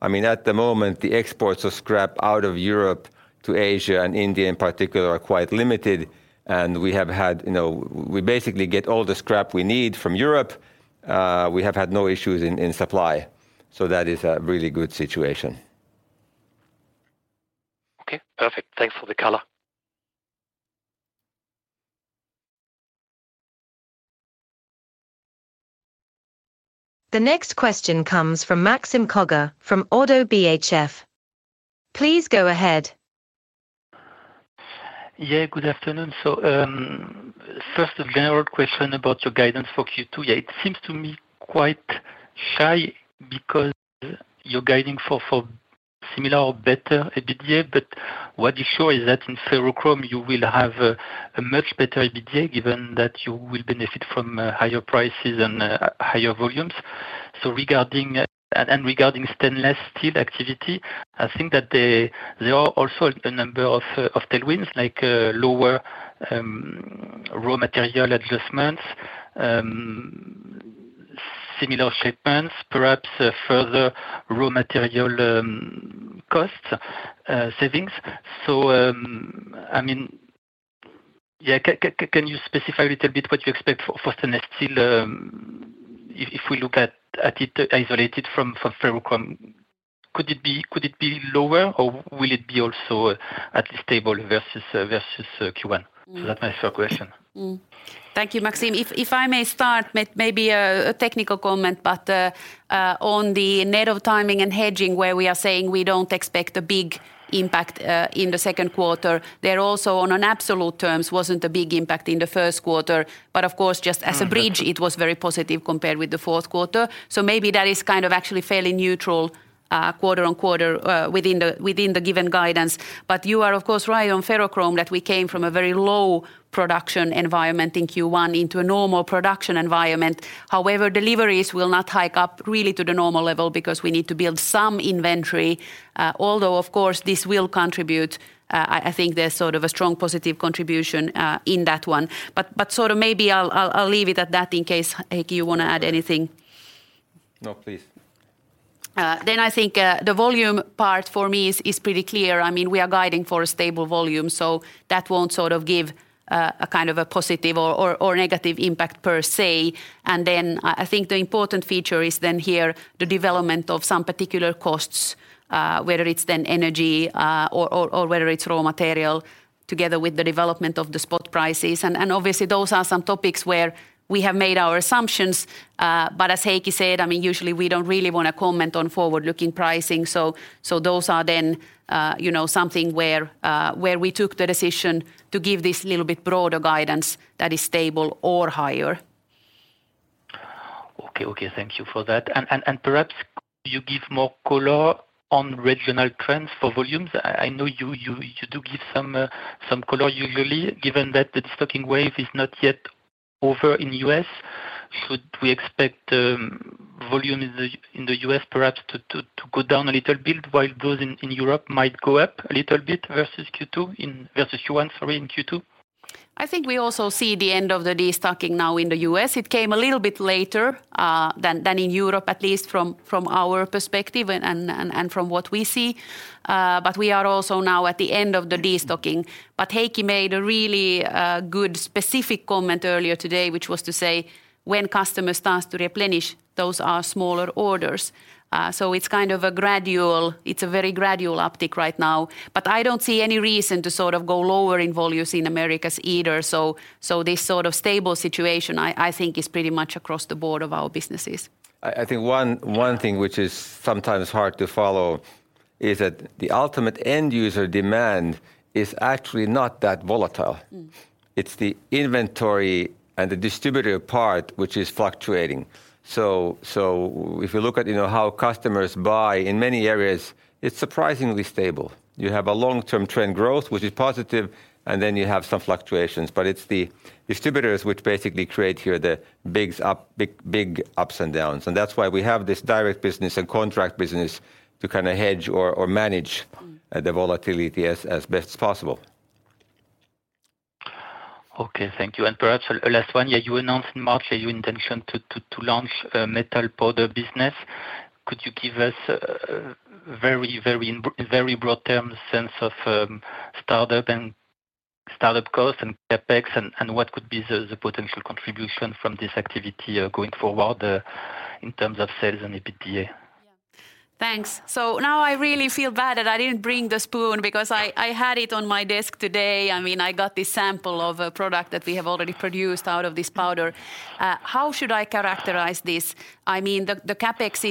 I mean, at the moment the exports of scrap out of Europe to Asia and India in particular are quite limited. We have had, you know, we basically get all the scrap we need from Europe. We have had no issues in supply, so that is a really good situation. Okay, perfect. Thanks for the color. The next question comes from Maxime Kogge from ODDO BHF. Please go ahead. Yeah, good afternoon. First a general question about your guidance for Q2. It seems to me quite shy because you're guiding for similar or better EBITDA, but what is sure is that in ferrochrome you will have a much better EBITDA given that you will benefit from higher prices and higher volumes. Regarding stainless steel activity, I think that there are also a number of tailwinds like lower raw material adjustments, similar shipments, perhaps, further raw material costs, savings. I mean, yeah, can you specify a little bit what you expect for stainless steel, if we look at it isolated from ferrochrome? Could it be lower or will it be also at stable versus Q1? That's my first question. Thank you, Maxime. If I may start maybe a technical comment, but on the net of timing and hedging where we are saying we don't expect a big impact in the second quarter. There also on an absolute terms wasn't a big impact in the first quarter, but of course, just as a bridge it was very positive compared with the fourth quarter. Maybe that is kind of actually fairly neutral quarter on quarter within the, within the given guidance. You are of course right on ferrochrome that we came from a very low production environment in Q1 into a normal production environment. Deliveries will not hike up really to the normal level because we need to build some inventory. Although of course this will contribute, I think there's sort of a strong positive contribution in that one. Maybe I'll leave it at that in case, Heikki, you wanna add anything. No, please. Then I think the volume part for me is pretty clear. I mean, we are guiding for a stable volume, so that won't sort of give a kind of a positive or negative impact per se. I think the important feature is then here the development of some particular costs, whether it's then energy or whether it's raw material together with the development of the spot prices. Obviously those are some topics where we have made our assumptions, but as Heikki said, I mean, usually we don't really wanna comment on forward-looking pricing. Those are then, you know, something where we took the decision to give this little bit broader guidance that is stable or higher. Okay. Thank you for that. Perhaps you give more color on regional trends for volumes. I know you do give some color usually given that the stocking wave is not yet over in U.S. Should we expect volume in the U.S. perhaps to go down a little bit while those in Europe might go up a little bit versus Q1, sorry, in Q2? I think we also see the end of the destocking now in the U.S. It came a little bit later, than in Europe, at least from our perspective and from what we see. We are also now at the end of the destocking. Heikki made a really, good specific comment earlier today, which was to say when customer starts to replenish, those are smaller orders. It's a very gradual uptick right now. I don't see any reason to sort of go lower in volumes in Americas either. This sort of stable situation I think is pretty much across the board of our businesses. I think one thing which is sometimes hard to follow is that the ultimate end user demand is actually not that volatile. Mm. It's the inventory and the distributor part which is fluctuating. If you look at, you know, how customers buy, in many areas it's surprisingly stable. You have a long-term trend growth, which is positive, and then you have some fluctuations. It's the distributors which basically create here the big ups and downs. That's why we have this direct business and contract business to kinda hedge or manage. Mm. the volatility as best as possible. Okay, thank you. Perhaps a last one. You announced in March your intention to launch a metal powder business. Could you give us a very broad term sense of startup and startup costs and CapEx and what could be the potential contribution from this activity going forward in terms of sales and EBITDA? Yeah. Thanks. Now I really feel bad that I didn't bring the spoon because I had it on my desk today. I mean, I got this sample of a product that we have already produced out of this powder. How should I characterize this? I mean, the CapEx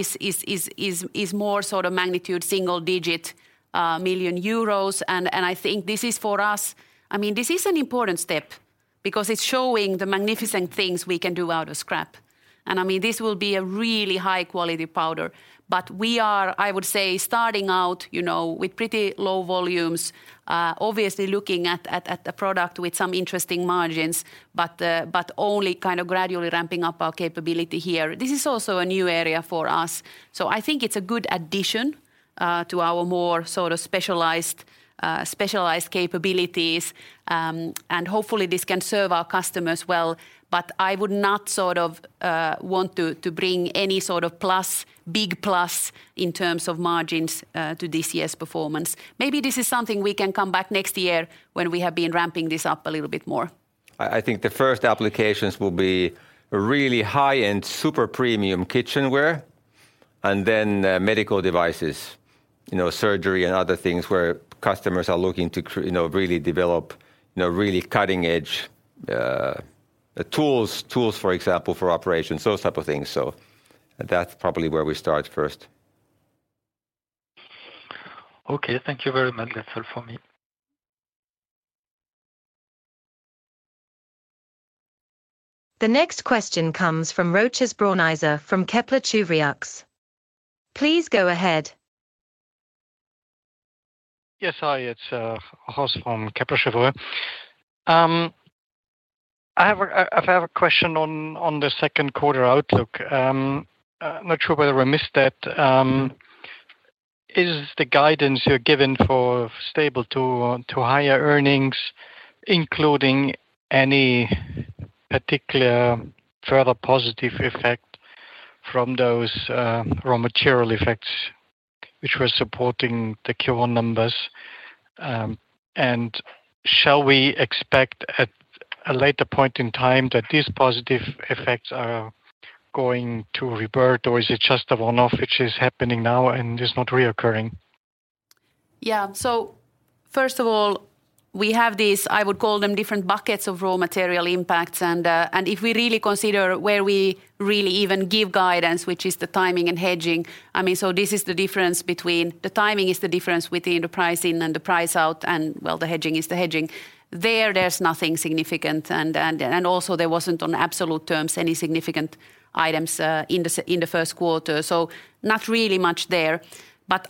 is more sort of magnitude single digit million EUR. I think this is for us, I mean, this is an important step because it's showing the magnificent things we can do out of scrap. I mean, this will be a really high quality powder. We are, I would say, starting out, you know, with pretty low volumes, obviously looking at a product with some interesting margins, but only kind of gradually ramping up our capability here. This is also a new area for us. I think it's a good addition to our more sort of specialized capabilities. Hopefully this can serve our customers well. I would not sort of want to bring any sort of plus, big plus in terms of margins to this year's performance. Maybe this is something we can come back next year when we have been ramping this up a little bit more. I think the first applications will be really high-end super premium kitchenware and then medical devices. You know, surgery and other things where customers are looking to you know, really develop, you know, really cutting edge tools, for example, for operations, those type of things. That's probably where we start first. Okay. Thank you very much. That's all for me. The next question comes from Rochus Brauneiser from Kepler Cheuvreux. Please go ahead. Yes. Hi, it's Rochus from Kepler Cheuvreux. I have a question on the second quarter outlook. I'm not sure whether I missed that. Is the guidance you're given for stable to higher earnings, including any particular further positive effect from those raw material effects which were supporting the Q1 numbers? Shall we expect at a later point in time that these positive effects are going to revert? Or is it just a one-off which is happening now and is not reoccurring? First of all, we have these, I would call them different buckets of raw material impacts. If we really consider where we really even give guidance, which is the timing and hedging, I mean, this is the difference between... The timing is the difference between the price in and the price out, and, well, the hedging is the hedging. There's nothing significant. Also there wasn't on absolute terms any significant items in the first quarter. Not really much there.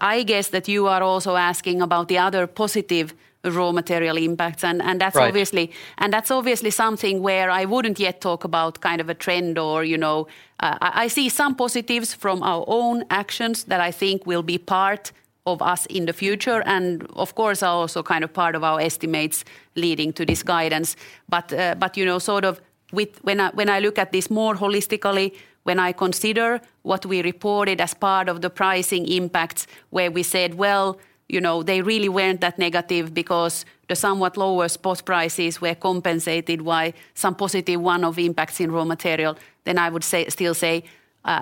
I guess that you are also asking about the other positive raw material impacts. That's obviously- Right That's obviously something where I wouldn't yet talk about kind of a trend or, you know. I see some positives from our own actions that I think will be part of us in the future and of course are also kind of part of our estimates leading to this guidance. When I look at this more holistically, when I consider what we reported as part of the pricing impacts, where we said, well, you know, they really weren't that negative because the somewhat lower spot prices were compensated by some positive one-off impacts in raw material, I would still say,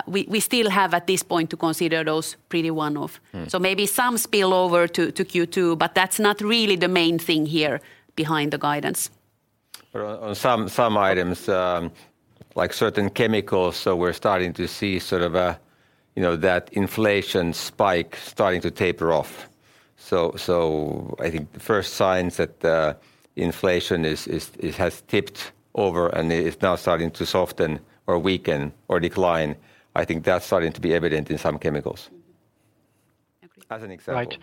we still have at this point to consider those pretty one-off. Mm. Maybe some spill over to Q2, but that's not really the main thing here behind the guidance. On some items, like certain chemicals, so we're starting to see sort of a, you know, that inflation spike starting to taper off. I think the first signs that inflation has tipped over and is now starting to soften or weaken or decline, I think that's starting to be evident in some chemicals. Mm-hmm. As an example.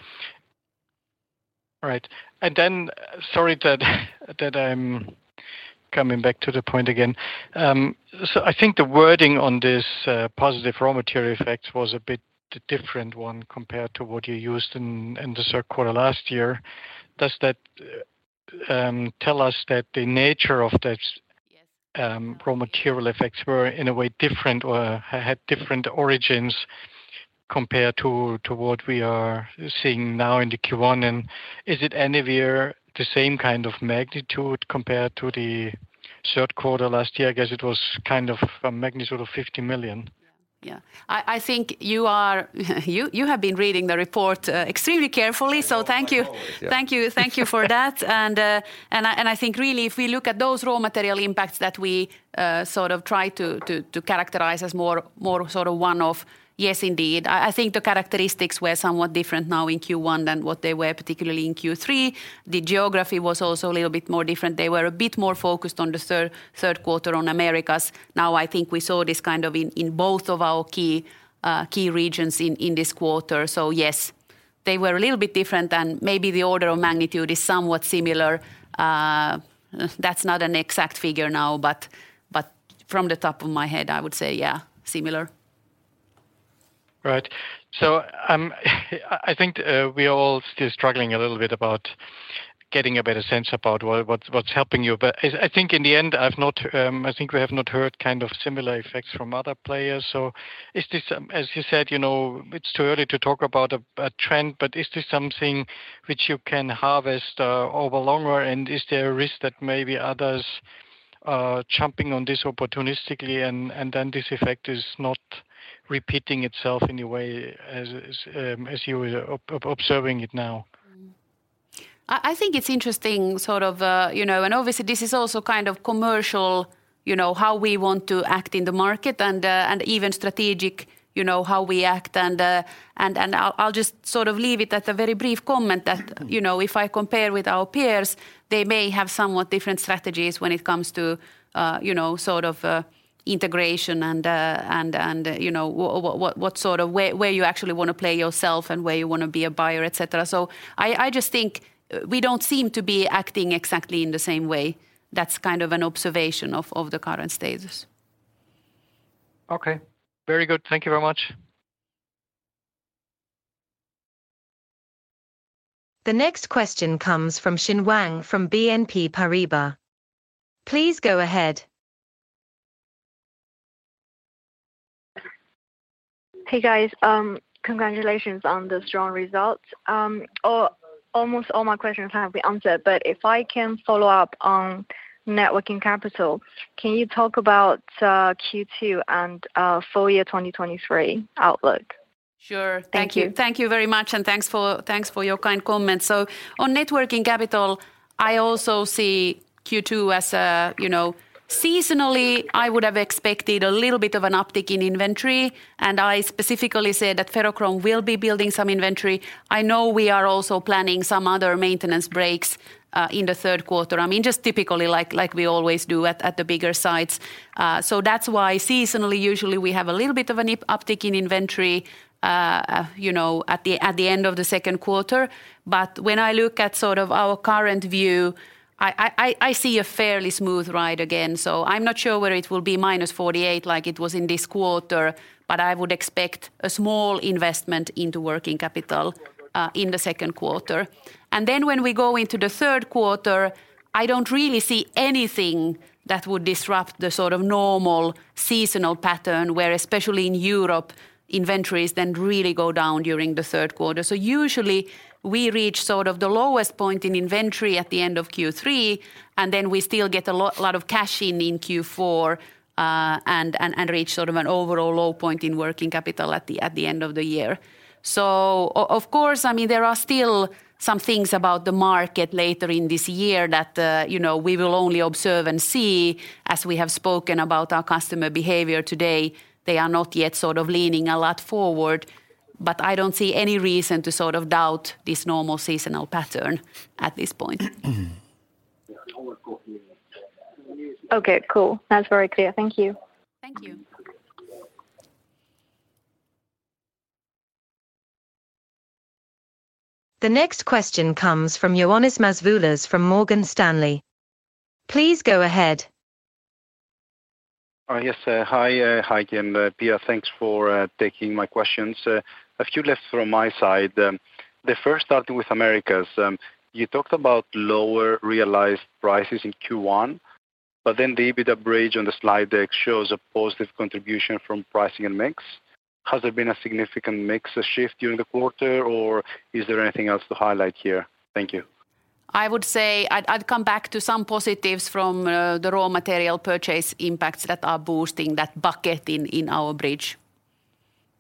Right. All right. Sorry that I'm coming back to the point again. I think the wording on this positive raw material effect was a bit different one compared to what you used in the third quarter last year. Does that tell us that the nature of that? Yes... raw material effects were in a way different or had different origins compared to what we are seeing now in the Q1? Is it anywhere the same kind of magnitude compared to the third quarter last year? I guess it was kind of a magnitude of 50 million. Yeah. Yeah. I think you have been reading the report extremely carefully. I always, yeah. Thank you for that. I think really if we look at those raw material impacts that we sort of try to characterize as one-off, yes, indeed. I think the characteristics were somewhat different now in Q1 than what they were particularly in Q3. The geography was also a little bit more different. They were a bit more focused on the third quarter on Americas. I think we saw this kind of in both of our key regions in this quarter. Yes, they were a little bit different than maybe the order of magnitude is somewhat similar. That's not an exact figure now, but from the top of my head, I would say yeah, similar. Right. I think we all still struggling a little bit about getting a better sense about what's helping you? I think in the end, I've not, I think we have not heard kind of similar effects from other players. Is this, as you said, you know, it's too early to talk about a trend, but is this something which you can harvest over longer? Is there a risk that maybe others are jumping on this opportunistically and then this effect is not repeating itself in a way as you are observing it now? I think it's interesting sort of, you know, and obviously this is also kind of commercial, you know, how we want to act in the market and even strategic, you know, how we act. I'll just sort of leave it at a very brief comment that, you know, if I compare with our peers, they may have somewhat different strategies when it comes to, you know, sort of, integration and, you know, what sort of... where you actually wanna play yourself and where you wanna be a buyer, et cetera. I just think we don't seem to be acting exactly in the same way. That's kind of an observation of the current status. Okay. Very good. Thank you very much. The next question comes from Xian Wang from BNP Paribas. Please go ahead. Hey, guys. Congratulations on the strong results. Almost all my questions have been answered. If I can follow up on net working capital, can you talk about Q2 and full year 2023 outlook? Sure. Thank you. Thank you very much, and thanks for your kind comments. On networking capital, I also see Q2 as a, you know. Seasonally, I would have expected a little bit of an uptick in inventory. I specifically said that ferrochrome will be building some inventory. I know we are also planning some other maintenance breaks in the third quarter. I mean, just typically like we always do at the bigger sites. That's why seasonally usually we have a little bit of an uptick in inventory, you know, at the end of the second quarter. When I look at sort of our current view, I see a fairly smooth ride again. I'm not sure whether it will be minus 48 like it was in this quarter, but I would expect a small investment into working capital in the second quarter. When we go into the third quarter, I don't really see anything that would disrupt the sort of normal seasonal pattern where especially in Europe inventories then really go down during the third quarter. Usually we reach sort of the lowest point in inventory at the end of Q3, and then we still get a lot of cash in in Q4, and reach sort of an overall low point in working capital at the end of the year. Of course, I mean, there are still some things about the market later in this year that, you know, we will only observe and see as we have spoken about our customer behavior today. They are not yet sort of leaning a lot forward, but I don't see any reason to sort of doubt this normal seasonal pattern at this point. Mm-hmm. Okay, cool. That's very clear. Thank you. Thank you. The next question comes from Ioannis Masvoulas from Morgan Stanley. Please go ahead. Oh, yes. Hi, Heikki and Pia, thanks for taking my questions. A few left from my side. The first starting with Americas. You talked about lower realized prices in Q1. The EBITDA bridge on the slide deck shows a positive contribution from pricing and mix. Has there been a significant mix shift during the quarter, or is there anything else to highlight here? Thank you. I would say I'd come back to some positives from the raw material purchase impacts that are boosting that bucket in our bridge.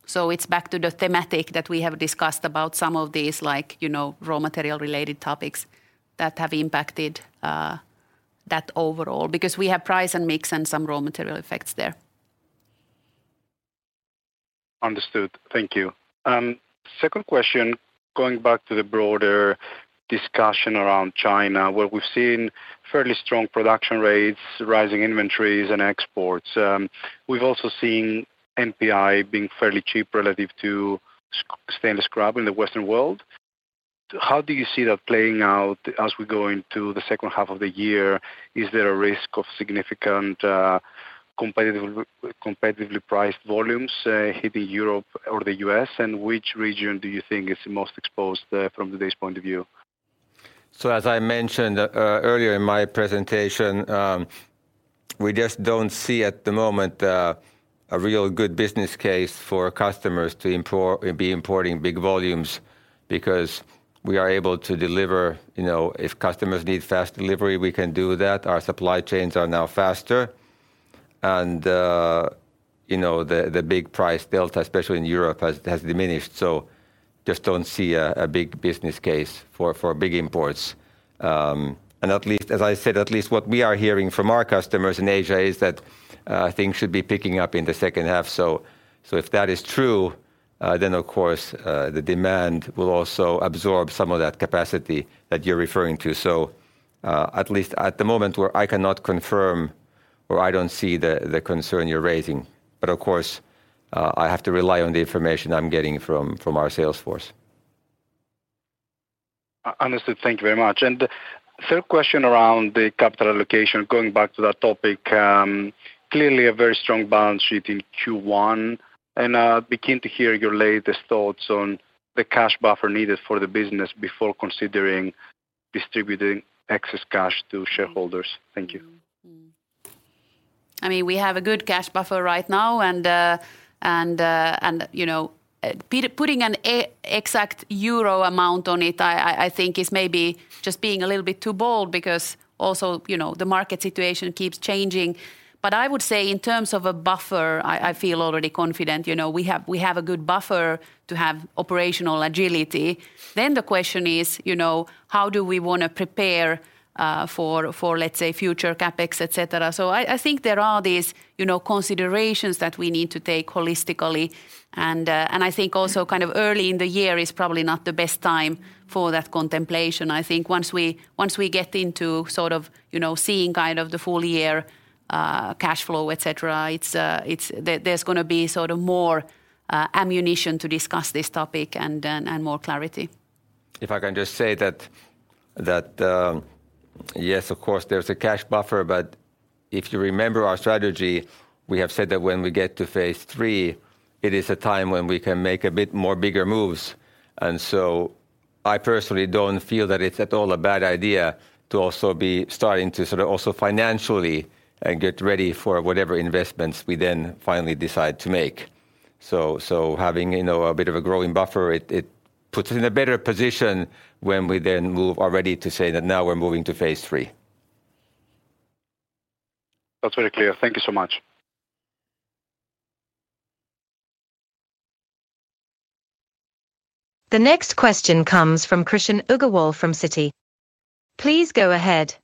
It's back to the thematic that we have discussed about some of these like, you know, raw material related topics that have impacted that overall because we have price and mix and some raw material effects there. Understood. Thank you. Second question, going back to the broader discussion around China, where we've seen fairly strong production rates, rising inventories and exports. We've also seen NPI being fairly cheap relative to stainless scrub in the Western world. How do you see that playing out as we go into the second half of the year? Is there a risk of significant, competitively priced volumes hitting Europe or the U.S.? Which region do you think is the most exposed there from today's point of view? As I mentioned earlier in my presentation, we just don't see at the moment a real good business case for customers to be importing big volumes because we are able to deliver, you know, if customers need fast delivery, we can do that. Our supply chains are now faster. You know, the big price delta, especially in Europe has diminished. Just don't see a big business case for big imports. At least, as I said, at least what we are hearing from our customers in Asia is that things should be picking up in the second half. If that is true, then of course, the demand will also absorb some of that capacity that you're referring to. At least at the moment where I cannot confirm or I don't see the concern you're raising. Of course, I have to rely on the information I'm getting from our sales force. Understood. Thank you very much. Third question around the capital allocation, going back to that topic, clearly a very strong balance sheet in Q1, I'm beginning to hear your latest thoughts on the cash buffer needed for the business before considering distributing excess cash to shareholders. Thank you. I mean, we have a good cash buffer right now, you know, putting an exact EUR amount on it, I think is maybe just being a little bit too bold because also, you know, the market situation keeps changing. I would say in terms of a buffer, I feel already confident. You know, we have a good buffer to have operational agility. The question is, you know, how do we wanna prepare for, let's say, future CapEx, et cetera? I think there are these, you know, considerations that we need to take holistically, and I think also kind of early in the year is probably not the best time for that contemplation. I think once we get into sort of, you know, seeing kind of the full year cash flow, et cetera, it's. There's gonna be sort of more ammunition to discuss this topic and more clarity. If I can just say that, yes, of course, there's a cash buffer. If you remember our strategy, we have said that when we get to phase III, it is a time when we can make a bit more bigger moves. I personally don't feel that it's at all a bad idea to also be starting to sort of also financially, get ready for whatever investments we then finally decide to make. Having, you know, a bit of a growing buffer, it puts us in a better position when we then move already to say that now we're moving to phase III. That's very clear. Thank you so much. The next question comes from Krishan Agarwal from Citi. Please go ahead.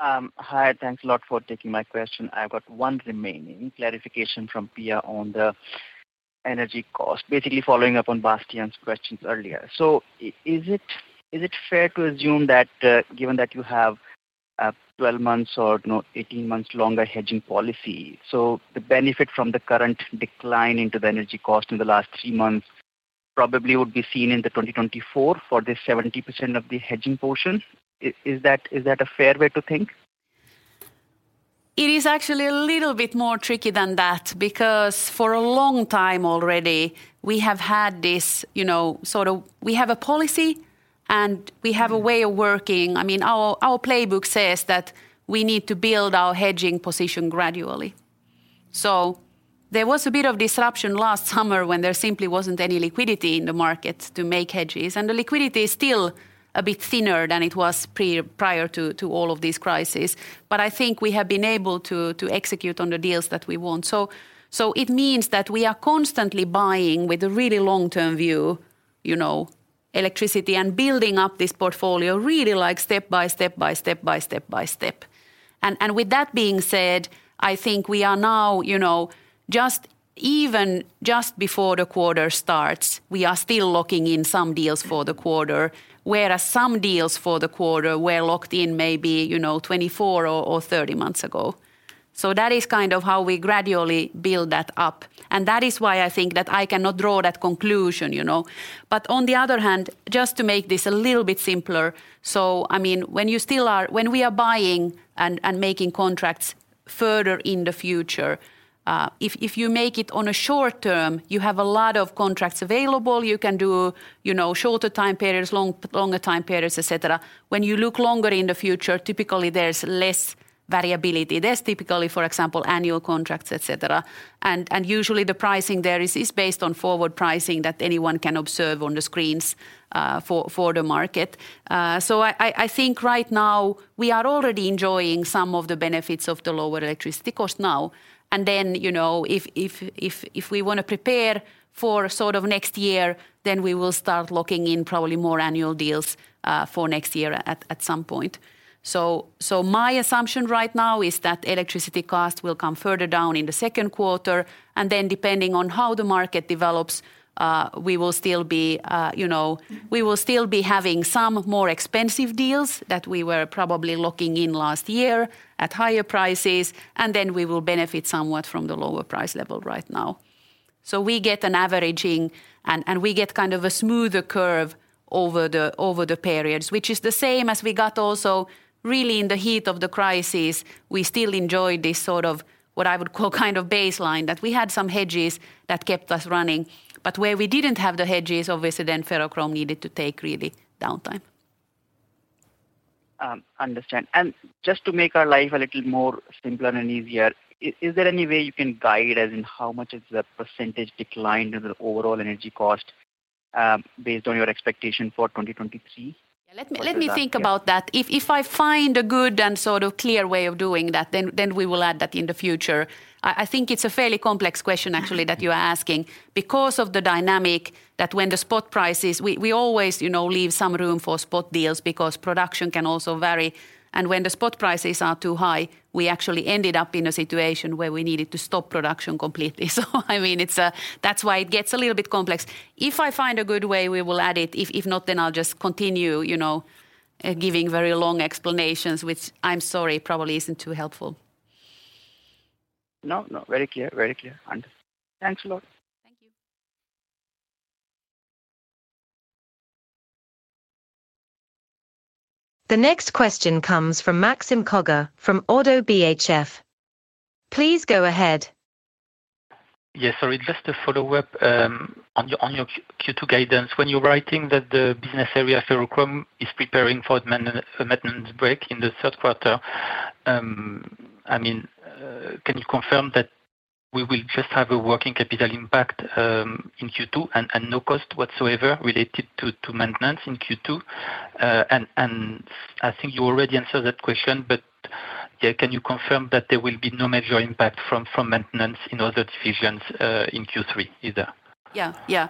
Hi. Thanks a lot for taking my question. I've got one remaining clarification from Pia on the energy cost, basically following up on Bastian's questions earlier. Is it fair to assume that, given that you have 12 months or, you know, 18 months longer hedging policy, the benefit from the current decline into the energy cost in the last three months probably would be seen in the 2024 for the 70% of the hedging portion? Is that a fair way to think? It is actually a little bit more tricky than that because for a long time already we have had this, you know, sort of. We have a policy, and we have a way of working. I mean, our playbook says that we need to build our hedging position gradually. There was a bit of disruption last summer when there simply wasn't any liquidity in the market to make hedges, and the liquidity is still a bit thinner than it was prior to all of this crisis. I think we have been able to execute on the deals that we want. It means that we are constantly buying, with a really long-term view, you know, electricity and building up this portfolio really, like, step by step by step by step by step. With that being said, I think we are now, you know, just even just before the quarter starts, we are still locking in some deals for the quarter, whereas some deals for the quarter were locked in maybe, you know, 24 or 30 months ago. That is kind of how we gradually build that up, and that is why I think that I cannot draw that conclusion, you know. On the other hand, just to make this a little bit simpler, I mean, when we are buying and making contracts further in the future, if you make it on a short term, you have a lot of contracts available. You can do, you know, shorter time periods, longer time periods, et cetera. When you look longer in the future, typically there's less variability. There's typically, for example, annual contracts, et cetera. Usually the pricing there is based on forward pricing that anyone can observe on the screens, for the market. I think right now we are already enjoying some of the benefits of the lower electricity cost now. Then, you know, if we wanna prepare for sort of next year, then we will start locking in probably more annual deals, for next year at some point. My assumption right now is that electricity costs will come further down in the second quarter. Then depending on how the market develops, we will still be, you know, we will still be having some more expensive deals that we were probably locking in last year at higher prices. Then we will benefit somewhat from the lower price level right now. We get an averaging, and we get kind of a smoother curve over the periods, which is the same as we got also really in the heat of the crisis. We still enjoyed this sort of what I would call kind of baseline, that we had some hedges that kept us running. Where we didn't have the hedges, obviously then Ferrochrome needed to take really downtime. Understand. Just to make our life a little more simpler and easier, is there any way you can guide us in how much is the percentage decline in the overall energy cost, based on your expectation for 2023? Yeah. Let me think about that. If I find a good and sort of clear way of doing that, then we will add that in the future. I think it's a fairly complex question actually that you are asking. Because of the dynamic that when the spot prices. We always, you know, leave some room for spot deals because production can also vary. When the spot prices are too high, we actually ended up in a situation where we needed to stop production completely. I mean, it's, that's why it gets a little bit complex. If I find a good way, we will add it. If not, I'll just continue, you know, giving very long explanations, which I'm sorry, probably isn't too helpful. No, no. Very clear. Very clear. Thanks a lot. Thank you. The next question comes from Maxime Kogge from ODDO BHF. Please go ahead. Yes. Sorry, just a follow-up, on your Q2 guidance. When you're writing that the business area Ferrochrome is preparing for a maintenance break in the third quarter, I mean, can you confirm that we will just have a working capital impact, in Q2 and no cost whatsoever related to maintenance in Q2? I think you already answered that question, but, yeah, can you confirm that there will be no major impact from maintenance in other divisions, in Q3 either? Yeah. Yeah.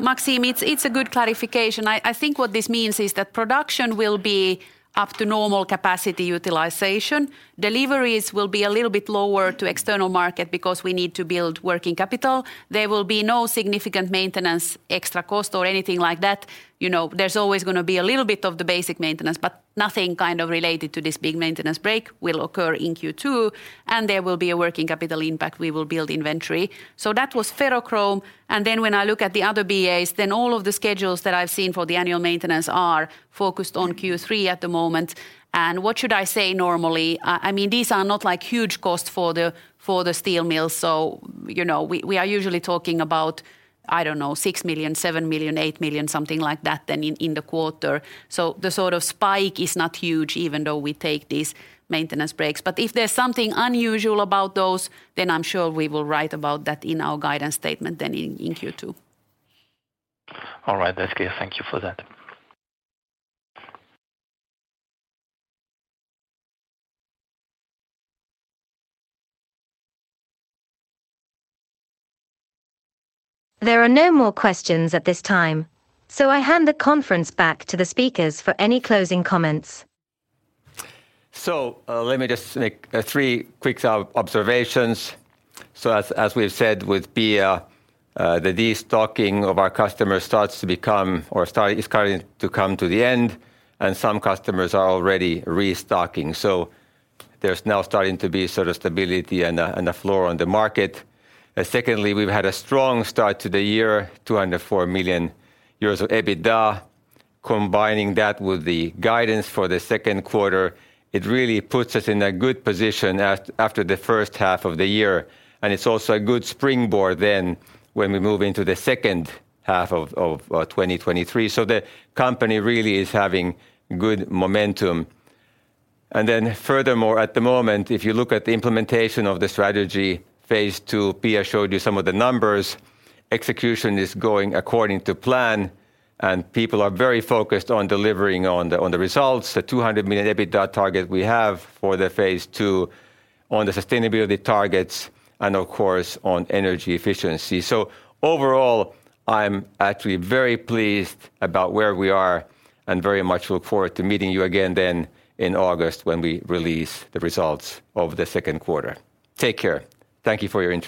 Maxime, it's a good clarification. I think what this means is that production will be up to normal capacity utilization. Deliveries will be a little bit lower to external market because we need to build working capital. There will be no significant maintenance extra cost or anything like that. You know, there's always gonna be a little bit of the basic maintenance, but nothing kind of related to this big maintenance break will occur in Q2, and there will be a working capital impact. We will build inventory. That was BA Ferrochrome, and then when I look at the other BAs, then all of the schedules that I've seen for the annual maintenance are focused on Q3 at the moment. What should I say normally? I mean, these are not, like, huge costs for the steel mills, you know, we are usually talking about, I don't know, 6 million, 7 million, 8 million, something like that then in the quarter. The sort of spike is not huge, even though we take these maintenance breaks. If there's something unusual about those, then I'm sure we will write about that in our guidance statement then in Q2. All right. That's clear. Thank you for that. There are no more questions at this time, so I hand the conference back to the speakers for any closing comments. Let me just make three quick observations. As we've said with Pia, the destocking of our customers is starting to come to the end, and some customers are already restocking. There's now starting to be sort of stability and a floor on the market. Secondly, we've had a strong start to the year, 204 million euros of EBITDA. Combining that with the guidance for the 2nd quarter, it really puts us in a good position after the 1st half of the year, and it's also a good springboard then when we move into the 2nd half of 2023. The company really is having good momentum. Furthermore, at the moment, if you look at the implementation of the strategy, phase II, Pia showed you some of the numbers, execution is going according to plan, and people are very focused on delivering on the results, the 200 million EBITDA target we have for the phase II, on the sustainability targets and, of course, on energy efficiency. Overall, I'm actually very pleased about where we are and very much look forward to meeting you again then in August when we release the results of the second quarter. Take care. Thank you for your interest.